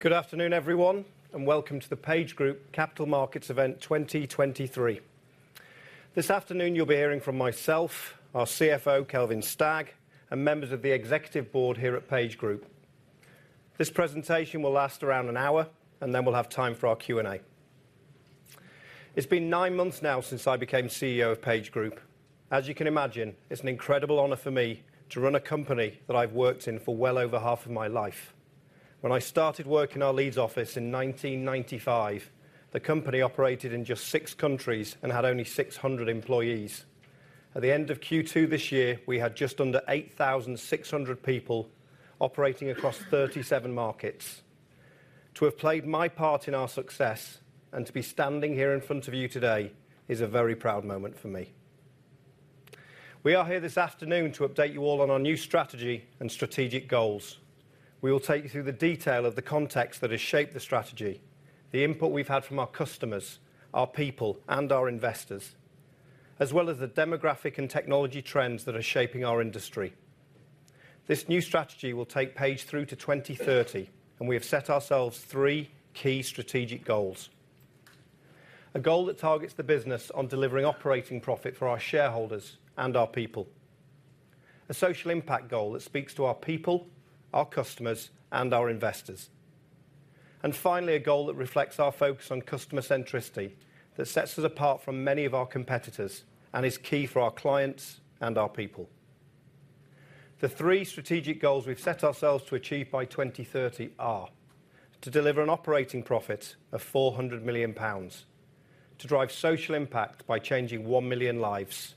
Good afternoon, everyone, and welcome to the PageGroup Capital Markets Event 2023. This afternoon, you'll be hearing from myself, our CFO, Kelvin Stagg, and members of the executive board here at PageGroup. This presentation will last around an hour, and then we'll have time for our Q&A. It's been 9 months now since I became CEO of PageGroup. As you can imagine, it's an incredible honor for me to run a company that I've worked in for well over half of my life. When I started working in our Leeds office in 1995, the company operated in just 6 countries and had only 600 employees. At the end of Q2 this year, we had just under 8,600 people operating across 37 markets. To have played my part in our success and to be standing here in front of you today is a very proud moment for me. We are here this afternoon to update you all on our new strategy and strategic goals. We will take you through the detail of the context that has shaped the strategy, the input we've had from our customers, our people, and our investors, as well as the demographic and technology trends that are shaping our industry. This new strategy will take Page through to 2030, and we have set ourselves three key strategic goals. A goal that targets the business on delivering operating profit for our shareholders and our people. A social impact goal that speaks to our people, our customers, and our investors. Finally, a goal that reflects our focus on customer centricity that sets us apart from many of our competitors and is key for our clients and our people. The three strategic goals we've set ourselves to achieve by 2030 are: to deliver an operating profit of 400 million pounds, to drive social impact by changing 1 million lives,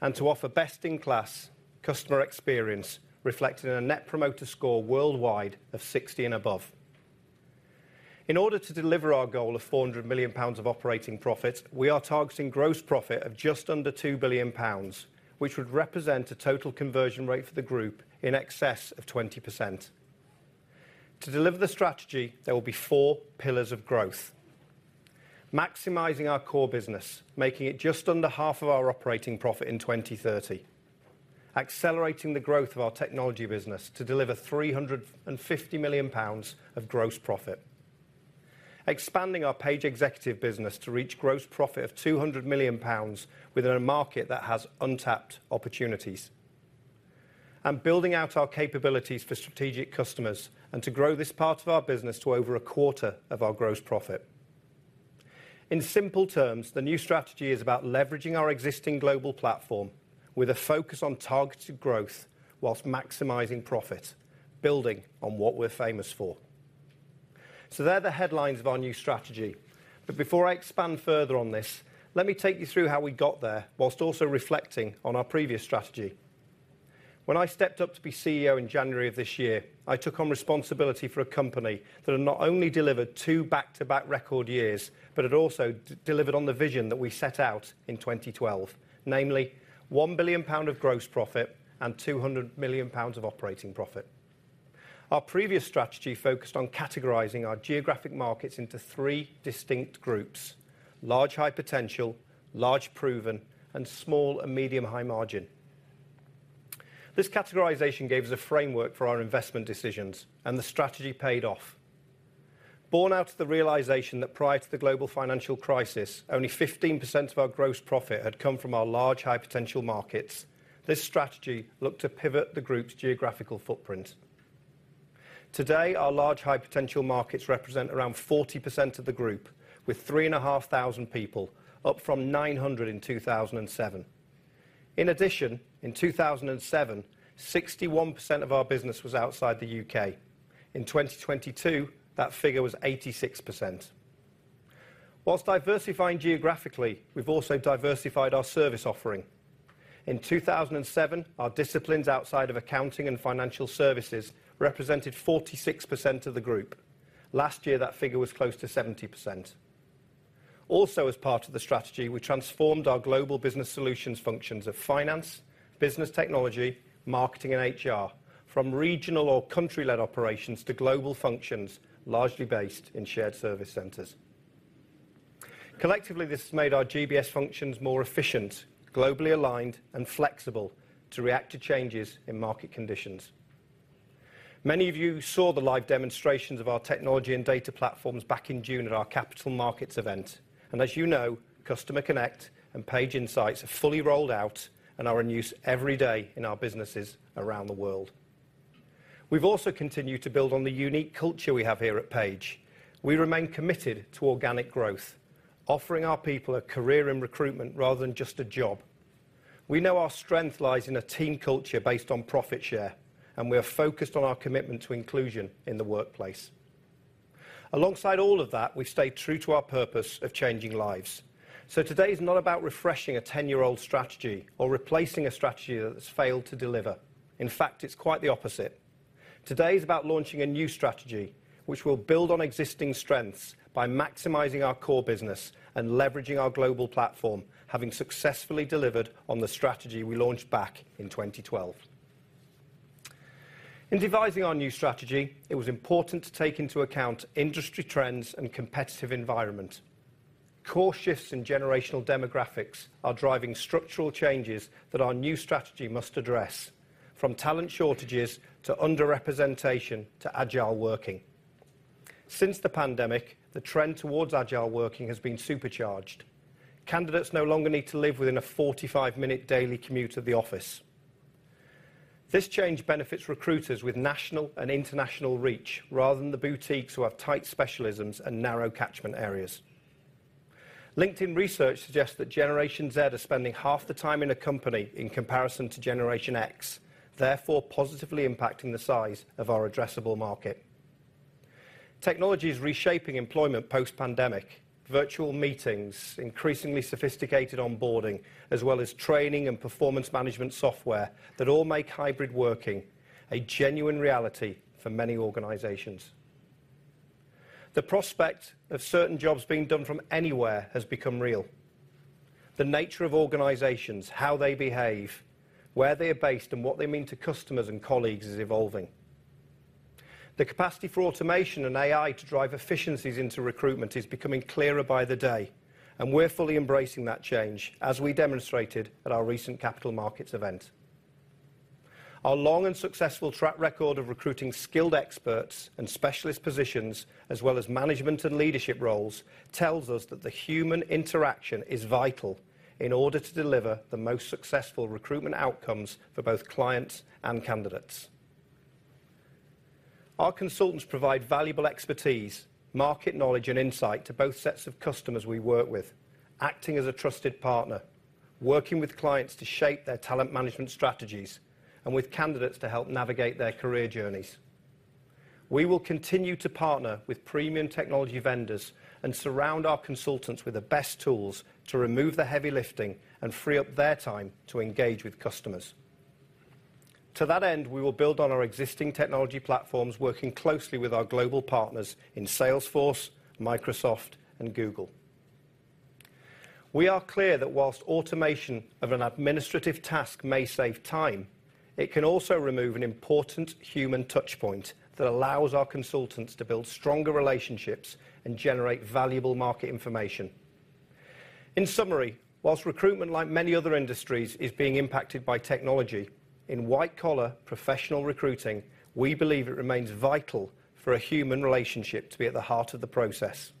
and to offer best-in-class customer experience, reflected in a net promoter score worldwide of 60 and above. In order to deliver our goal of 400 million pounds of operating profit, we are targeting gross profit of just under 2 billion pounds, which would represent a total conversion rate for the group in excess of 20%. To deliver the strategy, there will be four pillars of growth: maximizing our core business, making it just under half of our operating profit in 2030. Accelerating the growth of our technology business to deliver 350 million pounds of gross profit. Expanding our Page Executive business to reach gross profit of 200 million pounds within a market that has untapped opportunities. Building out our capabilities for Strategic Customers and to grow this part of our business to over a quarter of our gross profit. In simple terms, the new strategy is about leveraging our existing global platform with a focus on targeted growth while maximizing profit, building on what we're famous for. They're the headlines of our new strategy. But before I expand further on this, let me take you through how we got there, while also reflecting on our previous strategy. When I stepped up to be CEO in January of this year, I took on responsibility for a company that had not only delivered two back-to-back record years, but had also delivered on the vision that we set out in 2012, namely 1 billion pound of gross profit and 200 million pounds of operating profit. Our previous strategy focused on categorizing our geographic markets into three distinct groups: large high potential, large proven, and small and medium high margin. This categorization gave us a framework for our investment decisions, and the strategy paid off. Born out of the realization that prior to the Global Financial Crisis, only 15% of our gross profit had come from our large high-potential markets, this strategy looked to pivot the group's geographical footprint. Today, our large high-potential markets represent around 40% of the group, with 3,500 people, up from 900 in 2007. In addition, in 2007, 61% of our business was outside the U.K. In 2022, that figure was 86%. Whilst diversifying geographically, we've also diversified our service offering. In 2007, our disciplines outside of accounting and financial services represented 46% of the group. Last year, that figure was close to 70%. Also, as part of the strategy, we transformed our Global Business Solutions functions of finance, business technology, marketing, and HR from regional or country-led operations to global functions, largely based in shared service centers. Collectively, this has made our GBS functions more efficient, globally aligned, and flexible to react to changes in market conditions. Many of you saw the live demonstrations of our technology and data platforms back in June at our capital markets event. As you know, Customer Connect and Page Insights are fully rolled out and are in use every day in our businesses around the world. We've also continued to build on the unique culture we have here at Page. We remain committed to organic growth, offering our people a career in recruitment rather than just a job. We know our strength lies in a team culture based on profit share, and we are focused on our commitment to inclusion in the workplace. Alongside all of that, we've stayed true to our purpose of changing lives. Today is not about refreshing a ten-year-old strategy or replacing a strategy that has failed to deliver. In fact, it's quite the opposite. Today is about launching a new strategy, which will build on existing strengths by maximizing our core business and leveraging our global platform, having successfully delivered on the strategy we launched back in 2012. In devising our new strategy, it was important to take into account industry trends and competitive environment. Core shifts in generational demographics are driving structural changes that our new strategy must address, from talent shortages to underrepresentation, to agile working. Since the pandemic, the trend towards agile working has been supercharged. Candidates no longer need to live within a 45-minute daily commute of the office. This change benefits recruiters with national and international reach, rather than the boutiques who have tight specialisms and narrow catchment areas. LinkedIn research suggests that Generation Z are spending half the time in a company in comparison to Generation X, therefore positively impacting the size of our addressable market. Technology is reshaping employment post-pandemic. Virtual meetings, increasingly sophisticated onboarding, as well as training and performance management software that all make hybrid working a genuine reality for many organizations. The prospect of certain jobs being done from anywhere has become real. The nature of organizations, how they behave, where they are based, and what they mean to customers and colleagues, is evolving. The capacity for automation and AI to drive efficiencies into recruitment is becoming clearer by the day, and we're fully embracing that change, as we demonstrated at our recent capital markets event. Our long and successful track record of recruiting skilled experts and specialist positions, as well as management and leadership roles, tells us that the human interaction is vital in order to deliver the most successful recruitment outcomes for both clients and candidates. Our consultants provide valuable expertise, market knowledge, and insight to both sets of customers we work with, acting as a trusted partner, working with clients to shape their talent management strategies, and with candidates to help navigate their career journeys. We will continue to partner with Premium Technology Vendors and surround our consultants with the best tools to remove the heavy lifting and free up their time to engage with customers. To that end, we will build on our existing technology platforms, working closely with our global partners in Salesforce, Microsoft, and Google. We are clear that while automation of an administrative task may save time, it can also remove an important human touch point that allows our consultants to build stronger relationships and generate valuable market information. In summary, while recruitment, like many other industries, is being impacted by technology, in white-collar professional recruiting, we believe it remains vital for a human relationship to be at the heart of the process.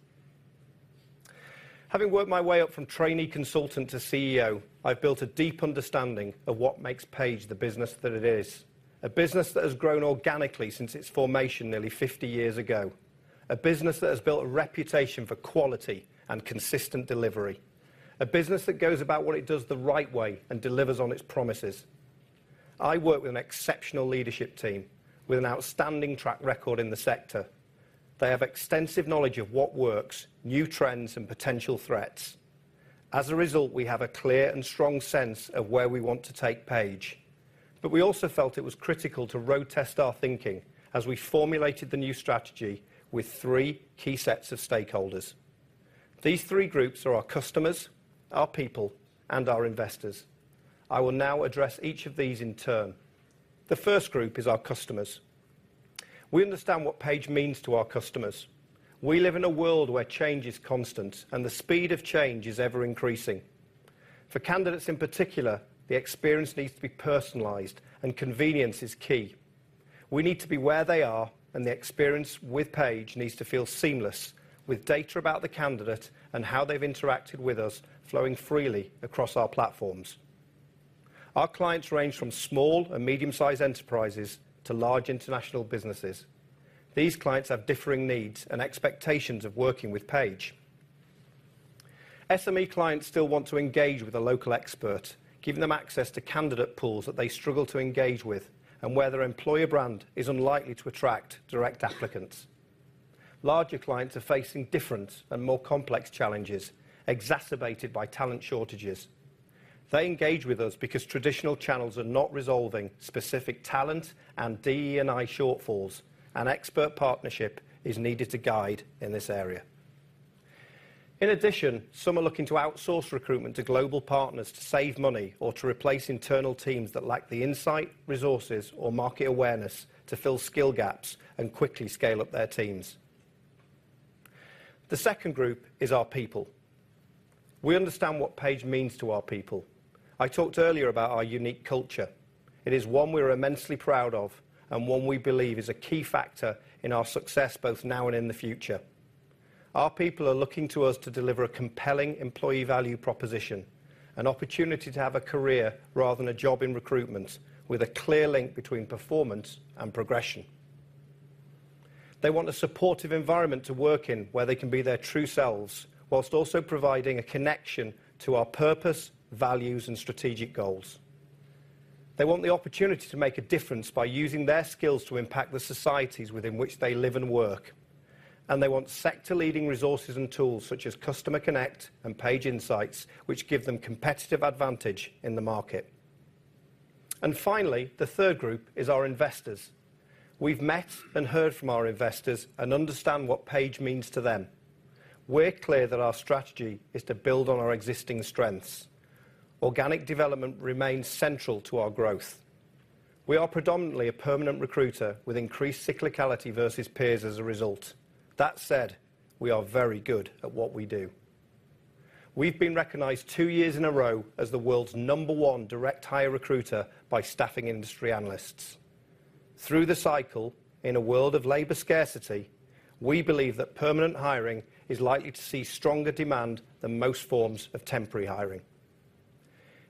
Having worked my way up from trainee consultant to CEO, I've built a deep understanding of what makes Page the business that it is. A business that has grown organically since its formation nearly 50 years ago. A business that has built a reputation for quality and consistent delivery. A business that goes about what it does the right way and delivers on its promises. I work with an exceptional leadership team with an outstanding track record in the sector. They have extensive knowledge of what works, new trends, and potential threats. As a result, we have a clear and strong sense of where we want to take Page. But we also felt it was critical to road test our thinking as we formulated the new strategy with three key sets of stakeholders. These three groups are our customers, our people, and our investors. I will now address each of these in turn. The first group is our customers. We understand what Page means to our customers. We live in a world where change is constant, and the speed of change is ever-increasing. For candidates, in particular, the experience needs to be personalized and convenience is key. We need to be where they are, and the experience with Page needs to feel seamless, with data about the candidate and how they've interacted with us flowing freely across our platforms. Our clients range from small and medium-sized enterprises to large international businesses. These clients have differing needs and expectations of working with Page. SME clients still want to engage with a local expert, giving them access to candidate pools that they struggle to engage with, and where their employer brand is unlikely to attract direct applicants. Larger clients are facing different and more complex challenges, exacerbated by talent shortages. They engage with us because traditional channels are not resolving specific talent and DE&I shortfalls, and expert partnership is needed to guide in this area. In addition, some are looking to outsource recruitment to global partners to save money or to replace internal teams that lack the insight, resources, or market awareness to fill skill gaps and quickly scale up their teams. The second group is our people. We understand what Page means to our people. I talked earlier about our unique culture. It is one we're immensely proud of, and one we believe is a key factor in our success, both now and in the future. Our people are looking to us to deliver a compelling employee value proposition, an opportunity to have a career rather than a job in recruitment, with a clear link between performance and progression. They want a supportive environment to work in, where they can be their true selves, while also providing a connection to our purpose, values, and strategic goals. They want the opportunity to make a difference by using their skills to impact the societies within which they live and work. They want sector-leading resources and tools, such as Customer Connect and Page Insights, which give them competitive advantage in the market. Finally, the third group is our investors. We've met and heard from our investors and understand what Page means to them. We're clear that our strategy is to build on our existing strengths. Organic development remains central to our growth. We are predominantly a permanent recruiter with increased cyclicality versus peers as a result. That said, we are very good at what we do. We've been recognized two years in a row as the world's number one direct hire recruiter by Staffing Industry Analysts. Through the cycle, in a world of labor scarcity, we believe that permanent hiring is likely to see stronger demand than most forms of temporary hiring.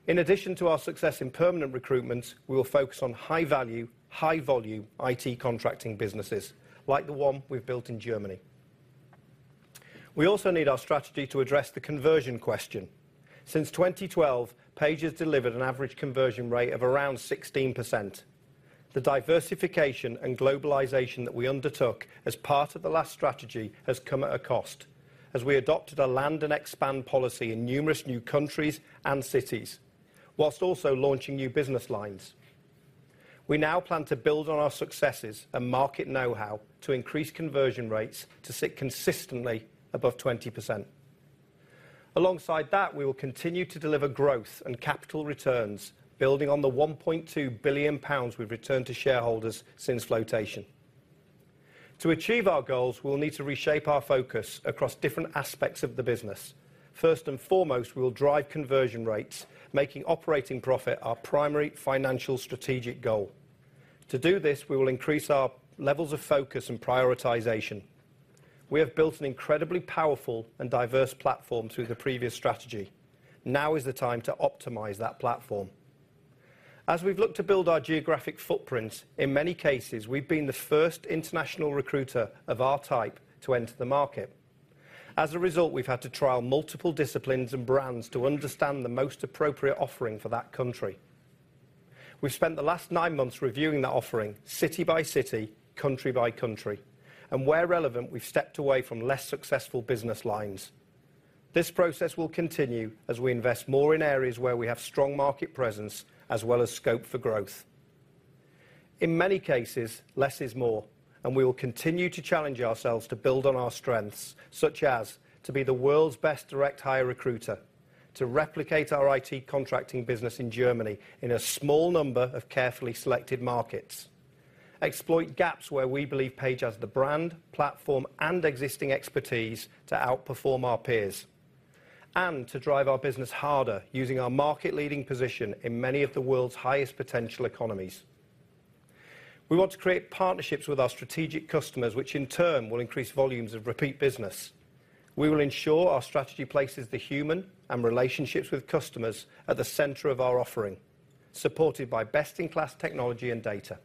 In addition to our success in permanent recruitment, we will focus on high value, high volume IT contracting businesses, like the one we've built in Germany. We also need our strategy to address the conversion question. Since 2012, Page has delivered an average conversion rate of around 16%. The diversification and globalization that we undertook as part of the last strategy has come at a cost, as we adopted a land and expand policy in numerous new countries and cities, while also launching new business lines. We now plan to build on our successes and market know-how to increase conversion rates to sit consistently above 20%. Alongside that, we will continue to deliver growth and capital returns, building on the 1.2 billion pounds we've returned to shareholders since flotation. To achieve our goals, we will need to reshape our focus across different aspects of the business. First and foremost, we will drive conversion rates, making operating profit our primary financial strategic goal. To do this, we will increase our levels of focus and prioritization. We have built an incredibly powerful and diverse platform through the previous strategy. Now is the time to optimize that platform. As we've looked to build our geographic footprint, in many cases, we've been the first international recruiter of our type to enter the market. As a result, we've had to trial multiple disciplines and brands to understand the most appropriate offering for that country. We've spent the last nine months reviewing that offering city by city, country by country, and where relevant, we've stepped away from less successful business lines. This process will continue as we invest more in areas where we have strong market presence as well as scope for growth. In many cases, less is more, and we will continue to challenge ourselves to build on our strengths, such as to be the world's best direct hire recruiter, to replicate our IT contracting business in Germany in a small number of carefully selected markets, exploit gaps where we believe Page has the brand, platform, and existing expertise to outperform our peers, and to drive our business harder using our market-leading position in many of the world's highest potential economies. We want to create partnerships with our Strategic Customers, which in turn will increase volumes of repeat business. We will ensure our strategy places the human and relationships with customers at the center of our offering, supported by best-in-class technology and data.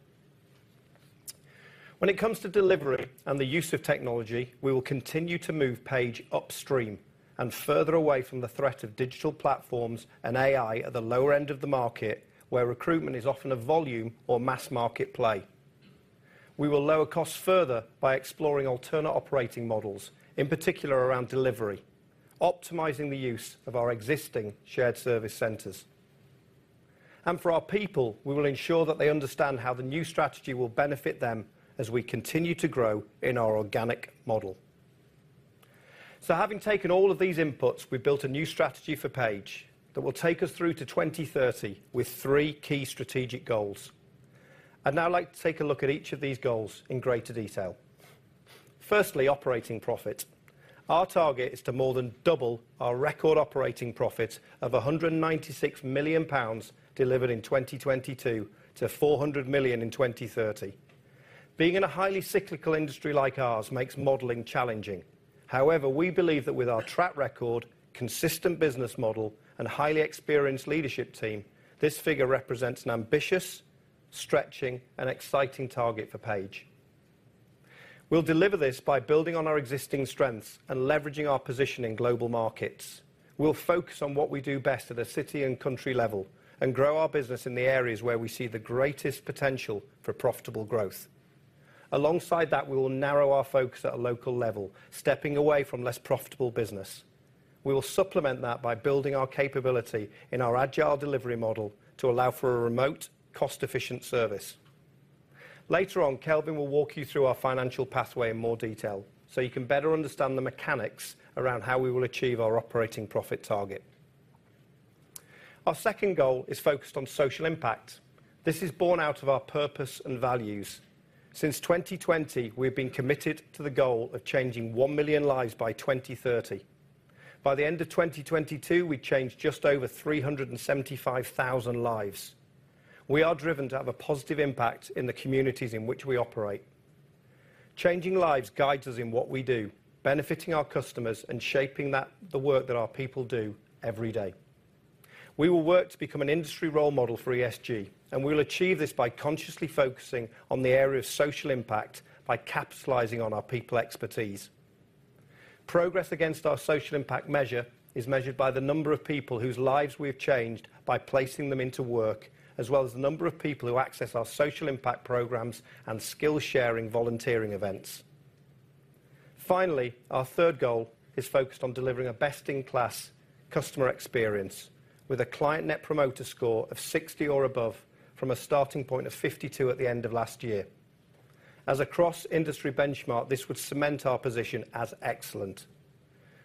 When it comes to delivery and the use of technology, we will continue to move Page upstream and further away from the threat of digital platforms and AI at the lower end of the market, where recruitment is often a volume or mass market play. We will lower costs further by exploring alternate operating models, in particular around delivery, optimizing the use of our existing shared service centers. And for our people, we will ensure that they understand how the new strategy will benefit them as we continue to grow in our organic model. So having taken all of these inputs, we've built a new strategy for Page that will take us through to 2030, with three key strategic goals. I'd now like to take a look at each of these goals in greater detail. Firstly, operating profit. Our target is to more than double our record operating profit of 196 million pounds delivered in 2022 to 400 million in 2030. Being in a highly cyclical industry like ours makes modeling challenging. However, we believe that with our track record, consistent business model, and highly experienced leadership team, this figure represents an ambitious, stretching, and exciting target for Page. We'll deliver this by building on our existing strengths and leveraging our position in global markets. We'll focus on what we do best at a city and country level, and grow our business in the areas where we see the greatest potential for profitable growth. Alongside that, we will narrow our focus at a local level, stepping away from less profitable business. We will supplement that by building our capability in our agile delivery model to allow for a remote, cost-efficient service. Later on, Kelvin will walk you through our financial pathway in more detail, so you can better understand the mechanics around how we will achieve our operating profit target. Our second goal is focused on social impact. This is born out of our purpose and values. Since 2020, we've been committed to the goal of changing 1 million lives by 2030. By the end of 2022, we changed just over 375,000 lives. We are driven to have a positive impact in the communities in which we operate. Changing lives guides us in what we do, benefiting our customers and shaping that, the work that our people do every day. We will work to become an industry role model for ESG, and we will achieve this by consciously focusing on the area of social impact by capitalizing on our people expertise. Progress against our social impact measure is measured by the number of people whose lives we have changed by placing them into work, as well as the number of people who access our social impact programs and skill-sharing volunteering events. Finally, our third goal is focused on delivering a best-in-class customer experience with a client Net Promoter Score of 60 or above from a starting point of 52 at the end of last year. As a Cross-Industry Benchmark, this would cement our position as excellent.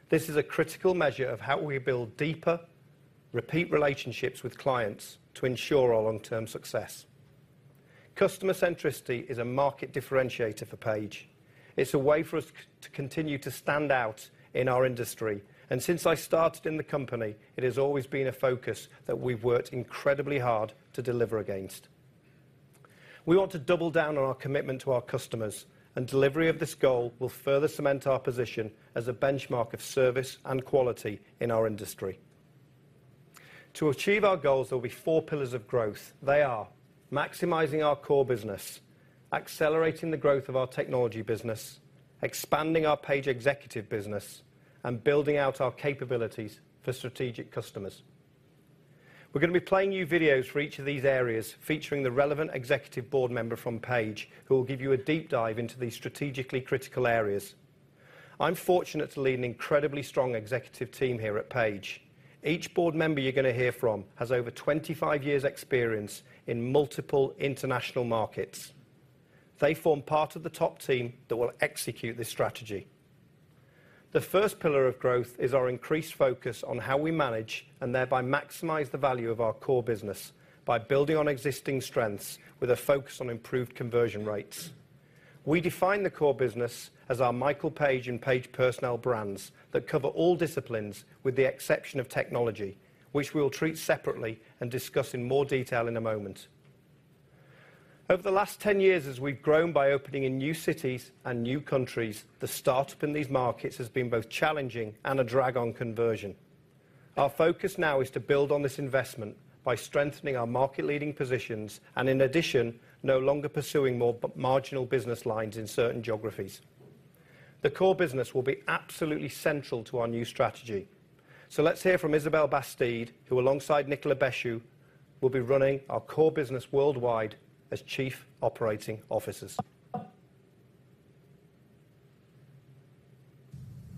This is a critical measure of how we build deeper, repeat relationships with clients to ensure our long-term success. Customer centricity is a market differentiator for Page. It's a way for us to continue to stand out in our industry, and since I started in the company, it has always been a focus that we've worked incredibly hard to deliver against. We want to double down on our commitment to our customers, and delivery of this goal will further cement our position as a benchmark of service and quality in our industry. To achieve our goals, there will be four pillars of growth. They are: maximizing our core business, accelerating the growth of our technology business, expanding our Page Executive business, and building out our capabilities for Strategic Customers. We're going to be playing you videos for each of these areas, featuring the relevant executive board member from Page, who will give you a deep dive into these strategically critical areas. I'm fortunate to lead an incredibly strong executive team here at Page. Each board member you're going to hear from has over 25 years experience in multiple international markets. They form part of the top team that will execute this strategy. The first pillar of growth is our increased focus on how we manage and thereby maximize the value of our core business by building on existing strengths with a focus on improved conversion rates. We define the core business as our Michael Page and Page Personnel brands that cover all disciplines, with the exception of technology, which we will treat separately and discuss in more detail in a moment. Over the last 10 years, as we've grown by opening in new cities and new countries, the start-up in these markets has been both challenging and a drag on conversion. Our focus now is to build on this investment by strengthening our market-leading positions and in addition, no longer pursuing more marginal business lines in certain geographies. The core business will be absolutely central to our new strategy. Let's hear from Isabelle Bastide, who, alongside Nicolas Béchu, will be running our core business worldwide as Chief Operating Officers.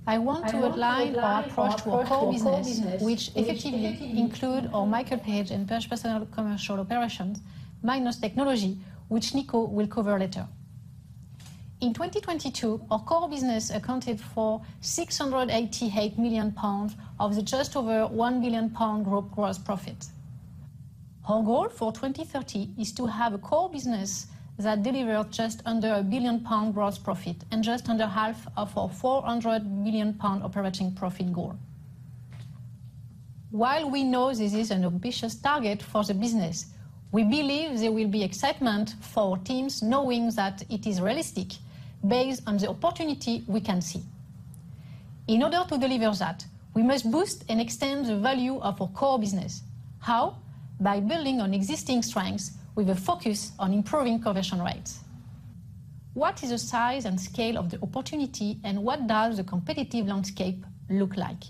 I want to outline our approach to our core business, which effectively include our Michael Page and Page Personnel commercial operations, minus technology, which Nico will cover later. In 2022, our core business accounted for 688 million pounds of the just over 1 billion pound group gross profit. Our goal for 2030 is to have a core business that deliver just under 1 billion pound gross profit and just under half of our 400 million pound operating profit goal. While we know this is an ambitious target for the business, we believe there will be excitement for our teams, knowing that it is realistic, based on the opportunity we can see. In order to deliver that, we must boost and extend the value of our core business. How? By building on existing strengths with a focus on improving conversion rates. What is the size and scale of the opportunity, and what does the competitive landscape look like?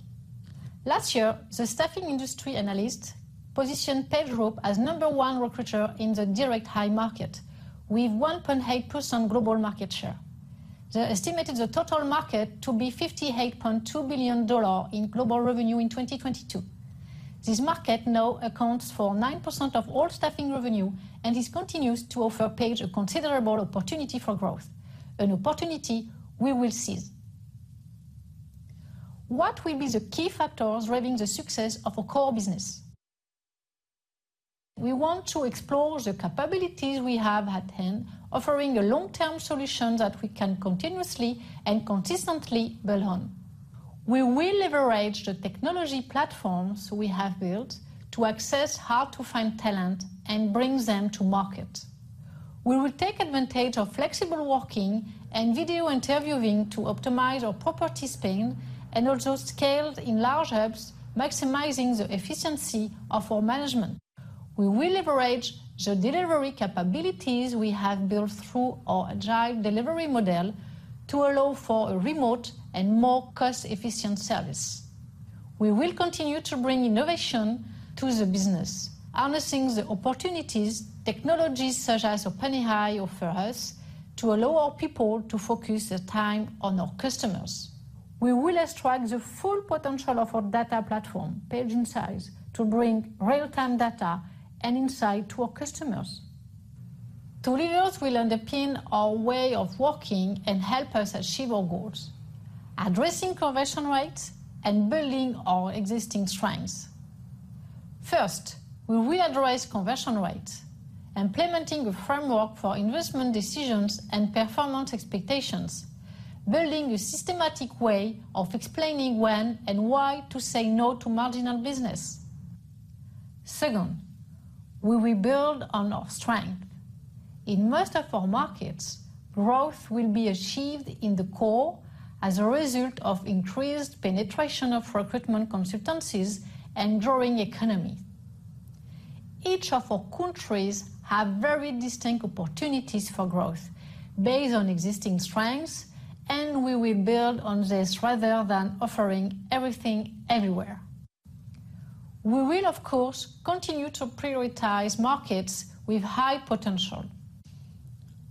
Last year, the Staffing Industry Analysts positioned PageGroup as number one recruiter in the direct hire market, with 1.8% global market share. They estimated the total market to be $58.2 billion in global revenue in 2022. This market now accounts for 9% of all staffing revenue and this continues to offer Page a considerable opportunity for growth, an opportunity we will seize. What will be the key factors driving the success of our core business? We want to explore the capabilities we have at hand, offering a long-term solution that we can continuously and consistently build on. We will leverage the technology platforms we have built to access how to find talent and bring them to market. We will take advantage of flexible working and video interviewing to optimize our property spend and also scale in large hubs, maximizing the efficiency of our management. We will leverage the delivery capabilities we have built through our agile delivery model to allow for a remote and more cost-efficient service. We will continue to bring innovation to the business, harnessing the opportunities technologies such as OpenAI offer us to allow our people to focus their time on our customers. We will extract the full potential of our data platform, Page Insights, to bring real-time data and insight to our customers. Two leaders will underpin our way of working and help us achieve our goals, addressing conversion rates and building our existing strengths. First, we will address conversion rates, implementing a framework for investment decisions and performance expectations, building a systematic way of explaining when and why to say no to marginal business. Second, we will build on our strength. In most of our markets, growth will be achieved in the core as a result of increased penetration of recruitment consultancies and growing economy. Each of our countries have very distinct opportunities for growth based on existing strengths, and we will build on this rather than offering everything everywhere. We will, of course, continue to prioritize markets with high potential.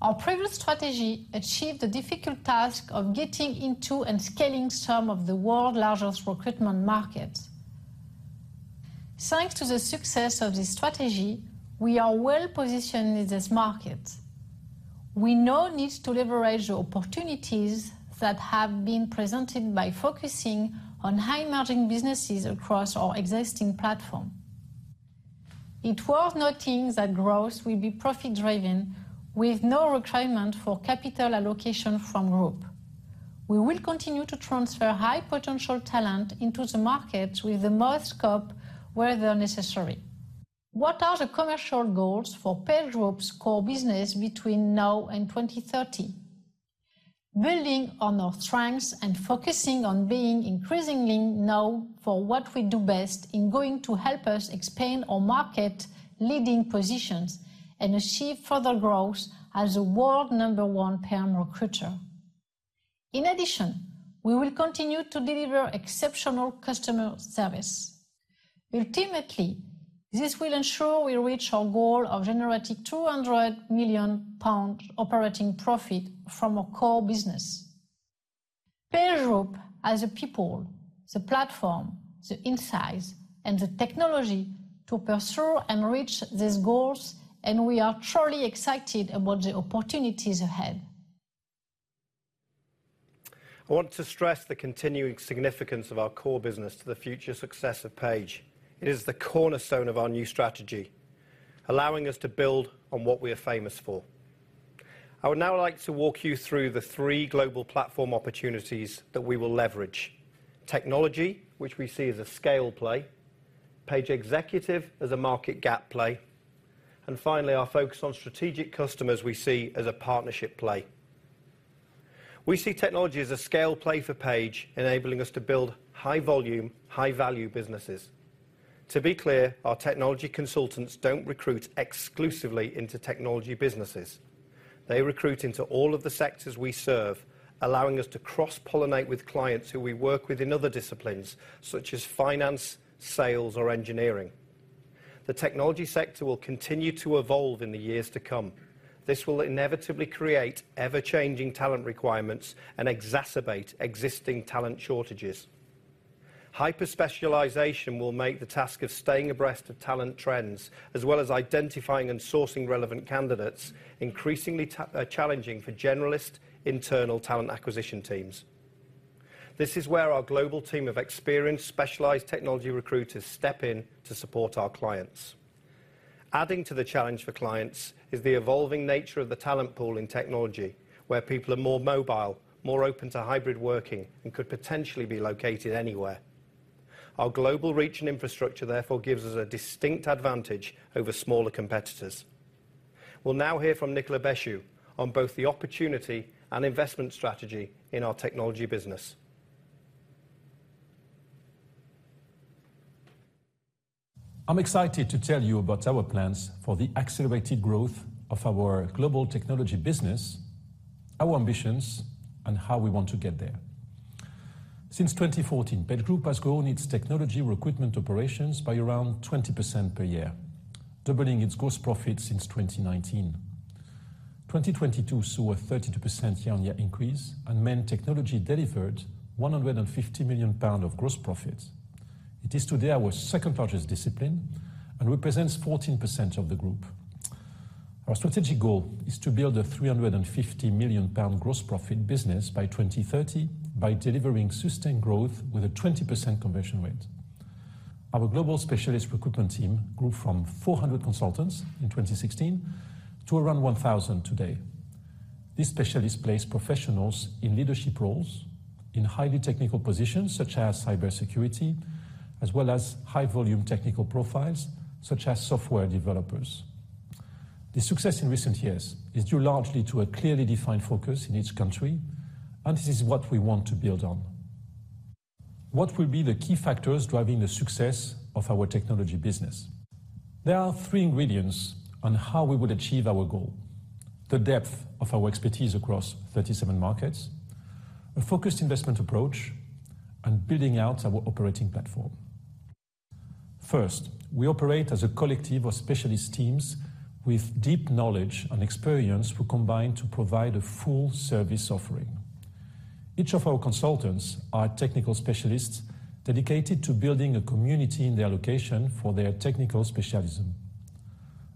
Our previous strategy achieved the difficult task of getting into and scaling some of the world's largest recruitment markets.... Thanks to the success of this strategy, we are well positioned in this market. We now need to leverage the opportunities that have been presented by focusing on high-margin businesses across our existing platform. It's worth noting that growth will be profit-driven, with no requirement for capital allocation from group. We will continue to transfer high-potential talent into the markets with the most scope, where they are necessary. What are the commercial goals for PageGroup's core business between now and 2030? Building on our strengths and focusing on being increasingly known for what we do best is going to help us expand our market-leading positions and achieve further growth as a world number one permanent recruiter. In addition, we will continue to deliver exceptional customer service. Ultimately, this will ensure we reach our goal of generating 200 million pounds operating profit from our core business. PageGroup has the people, the platform, the insights, and the technology to pursue and reach these goals, and we are truly excited about the opportunities ahead. I want to stress the continuing significance of our core business to the future success of Page. It is the cornerstone of our new strategy, allowing us to build on what we are famous for. I would now like to walk you through the three global platform opportunities that we will leverage: technology, which we see as a scale play, Page Executive as a market gap play, and finally, our focus on Strategic Customers we see as a partnership play. We see technology as a scale play for Page, enabling us to build high-volume, high-value businesses. To be clear, our technology consultants don't recruit exclusively into technology businesses. They recruit into all of the sectors we serve, allowing us to cross-pollinate with clients who we work with in other disciplines, such as finance, sales, or engineering. The technology sector will continue to evolve in the years to come. This will inevitably create ever-changing talent requirements and exacerbate existing talent shortages. Hyper-specialization will make the task of staying abreast of talent trends, as well as identifying and sourcing relevant candidates, increasingly challenging for generalist internal talent acquisition teams. This is where our global team of experienced, specialized technology recruiters step in to support our clients. Adding to the challenge for clients is the evolving nature of the talent pool in technology, where people are more mobile, more open to hybrid working, and could potentially be located anywhere. Our global reach and infrastructure, therefore, gives us a distinct advantage over smaller competitors. We'll now hear from Nicolas Béchu on both the opportunity and investment strategy in our technology business. I'm excited to tell you about our plans for the accelerated growth of our global technology business, our ambitions, and how we want to get there. Since 2014, PageGroup has grown its technology recruitment operations by around 20% per year, doubling its gross profit since 2019. 2022 saw a 32% year-on-year increase, and meant technology delivered 150 million pounds of gross profit. It is today our second-largest discipline and represents 14% of the group. Our strategic goal is to build a 350 million pound gross profit business by 2030 by delivering sustained growth with a 20% conversion rate. Our global specialist recruitment team grew from 400 consultants in 2016 to around 1,000 today. These specialists place professionals in leadership roles, in highly technical positions, such as cybersecurity, as well as high-volume technical profiles, such as software developers. The success in recent years is due largely to a clearly defined focus in each country, and this is what we want to build on. What will be the key factors driving the success of our technology business? There are three ingredients on how we would achieve our goal: the depth of our expertise across 37 markets, a focused investment approach, and building out our operating platform. First, we operate as a collective of specialist teams with deep knowledge and experience who combine to provide a full service offering. Each of our consultants are technical specialists dedicated to building a community in their location for their technical specialism.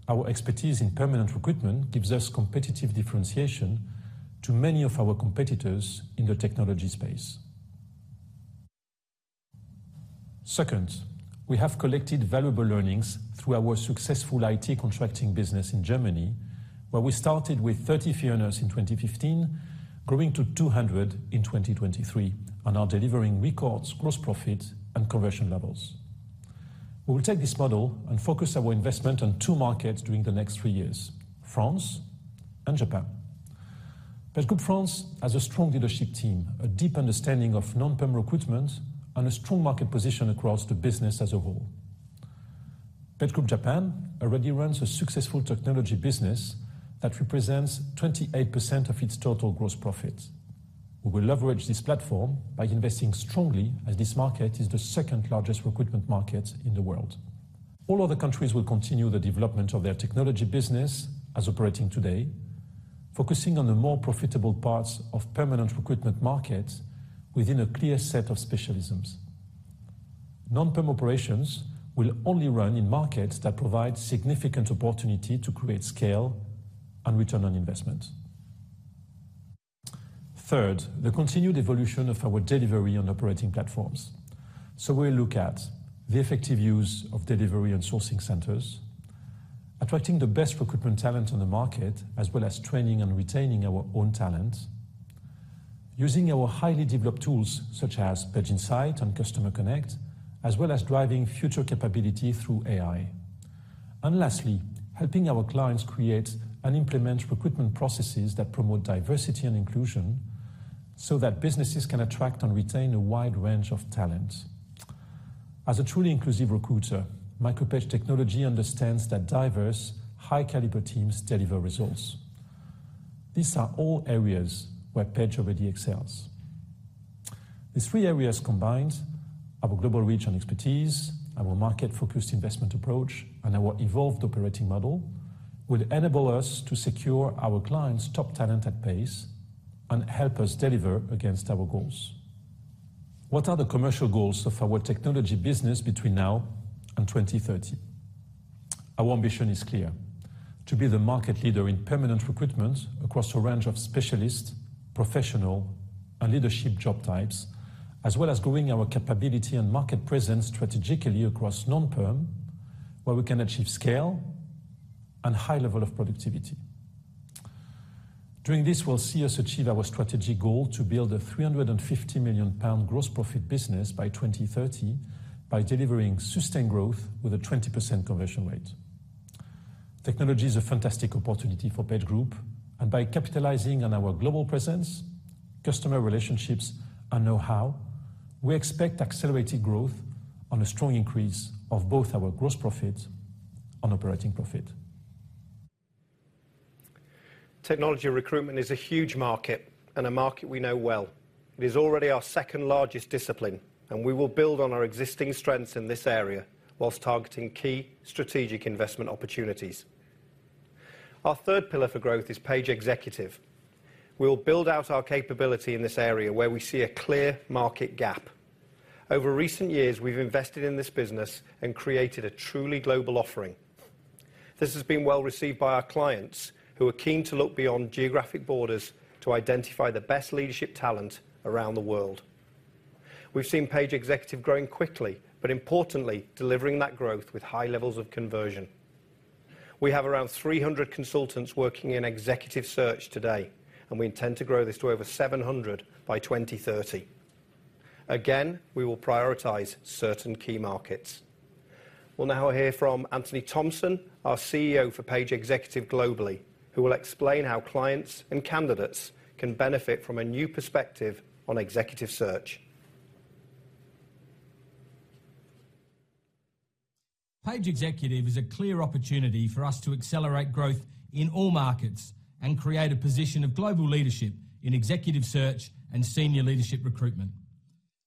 Our expertise in permanent recruitment gives us competitive differentiation to many of our competitors in the technology space. Second, we have collected valuable learnings through our successful IT contracting business in Germany, where we started with 30 freelancers in 2015, growing to 200 in 2023, and are delivering record gross profit and conversion levels. We will take this model and focus our investment on 2 markets during the next 3 years, France and Japan. PageGroup France has a strong leadership team, a deep understanding of non-perm recruitment, and a strong market position across the business as a whole. PageGroup Japan already runs a successful technology business that represents 28% of its total gross profit. We will leverage this platform by investing strongly, as this market is the second-largest recruitment market in the world. All other countries will continue the development of their technology business as operating today, focusing on the more profitable parts of permanent recruitment markets within a clear set of specialisms. Non-perm operations will only run in markets that provide significant opportunity to create scale and return on investment. Third, the continued evolution of our delivery on operating platforms. We'll look at the effective use of delivery and sourcing centers, attracting the best recruitment talent on the market, as well as training and retaining our own talent, using our highly developed tools such as Page Insights and Customer Connect, as well as driving future capability through AI. Lastly, helping our clients create and implement recruitment processes that promote diversity and inclusion, so that businesses can attract and retain a wide range of talent. As a truly inclusive recruiter, Michael Page Technology understands that diverse, high-caliber teams deliver results. These are all areas where Page already excels. These three areas combined, our global reach and expertise, our market-focused investment approach, and our evolved operating model, will enable us to secure our clients' top talent at pace and help us deliver against our goals. What are the commercial goals of our technology business between now and 2030? Our ambition is clear: to be the market leader in permanent recruitment across a range of specialist, professional, and leadership job types, as well as growing our capability and market presence strategically across non-perm, where we can achieve scale and high level of productivity. Doing this will see us achieve our strategy goal to build a 350 million pound gross profit business by 2030 by delivering sustained growth with a 20% conversion rate. Technology is a fantastic opportunity for PageGroup, and by capitalizing on our global presence, customer relationships, and know-how, we expect accelerated growth on a strong increase of both our gross profit and operating profit. Technology recruitment is a huge market, and a market we know well. It is already our second-largest discipline, and we will build on our existing strengths in this area while targeting key strategic investment opportunities. Our third pillar for growth is Page Executive. We will build out our capability in this area where we see a clear market gap. Over recent years, we've invested in this business and created a truly global offering. This has been well received by our clients, who are keen to look beyond geographic borders to identify the best leadership talent around the world. We've seen Page Executive growing quickly, but importantly, delivering that growth with high levels of conversion. We have around 300 consultants working in executive search today, and we intend to grow this to over 700 by 2030. Again, we will prioritize certain key markets. We'll now hear from Anthony Thompson, our CEO for Page Executive globally, who will explain how clients and candidates can benefit from a new perspective on executive search. Page Executive is a clear opportunity for us to accelerate growth in all markets and create a position of global leadership in executive search and senior leadership recruitment.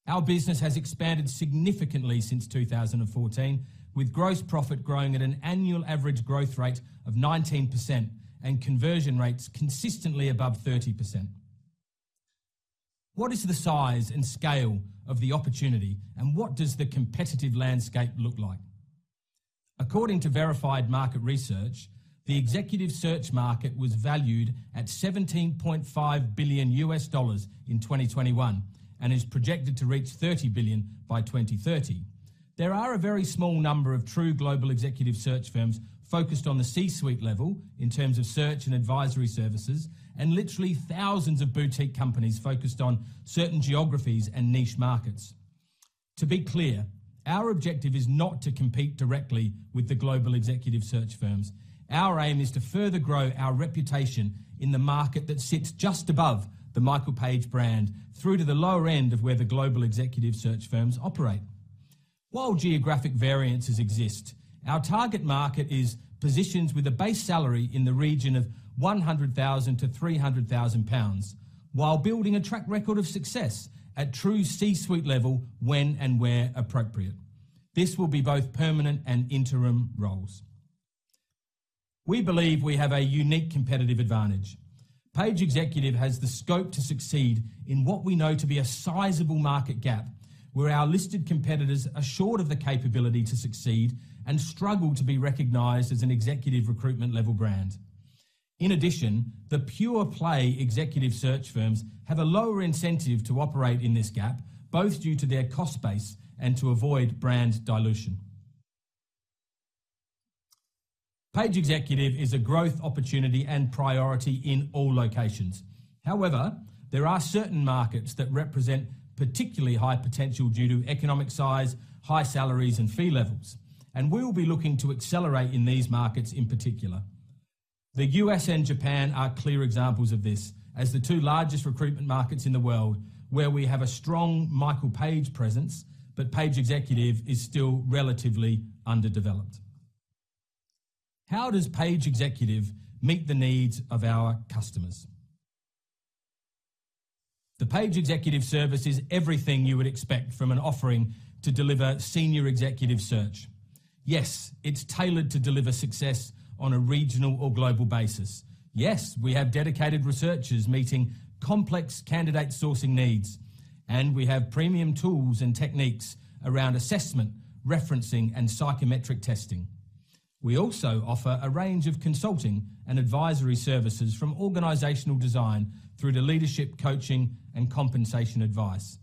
Our business has expanded significantly since 2014, with gross profit growing at an annual average growth rate of 19% and conversion rates consistently above 30%. What is the size and scale of the opportunity, and what does the competitive landscape look like? According to Verified Market Research, the executive search market was valued at $17.5 billion in 2021 and is projected to reach $30 billion by 2030. There are a very small number of true global executive search firms focused on the C-suite level in terms of search and advisory services, and literally thousands of boutique companies focused on certain geographies and niche markets. To be clear, our objective is not to compete directly with the global executive search firms. Our aim is to further grow our reputation in the market that sits just above the Michael Page brand, through to the lower end of where the global executive search firms operate. While geographic variances exist, our target market is positions with a base salary in the region of 100,000-300,000 pounds, while building a track record of success at true C-suite level when and where appropriate. This will be both permanent and interim roles. We believe we have a unique competitive advantage. Page Executive has the scope to succeed in what we know to be a sizable market gap, where our listed competitors are short of the capability to succeed and struggle to be recognized as an executive recruitment level brand. In addition, the pure play executive search firms have a lower incentive to operate in this gap, both due to their cost base and to avoid brand dilution. Page Executive is a growth opportunity and priority in all locations. However, there are certain markets that represent particularly high potential due to economic size, high salaries, and fee levels, and we will be looking to accelerate in these markets in particular. The U.S. and Japan are clear examples of this, as the two largest recruitment markets in the world, where we have a strong Michael Page presence, but Page Executive is still relatively underdeveloped. How does Page Executive meet the needs of our customers? The Page Executive service is everything you would expect from an offering to deliver senior executive search. Yes, it's tailored to deliver success on a regional or global basis. Yes, we have dedicated researchers meeting complex candidate sourcing needs, and we have premium tools and techniques around assessment, referencing, and psychometric testing. We also offer a range of consulting and advisory services from organizational design through to leadership, coaching, and compensation advice.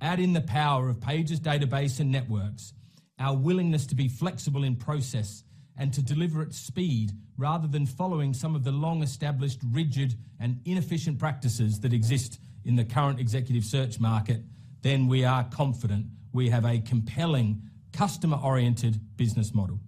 Add in the power of Page's database and networks, our willingness to be flexible in process, and to deliver at speed, rather than following some of the long-established, rigid, and inefficient practices that exist in the current executive search market, we are confident we have a compelling, customer-oriented business model.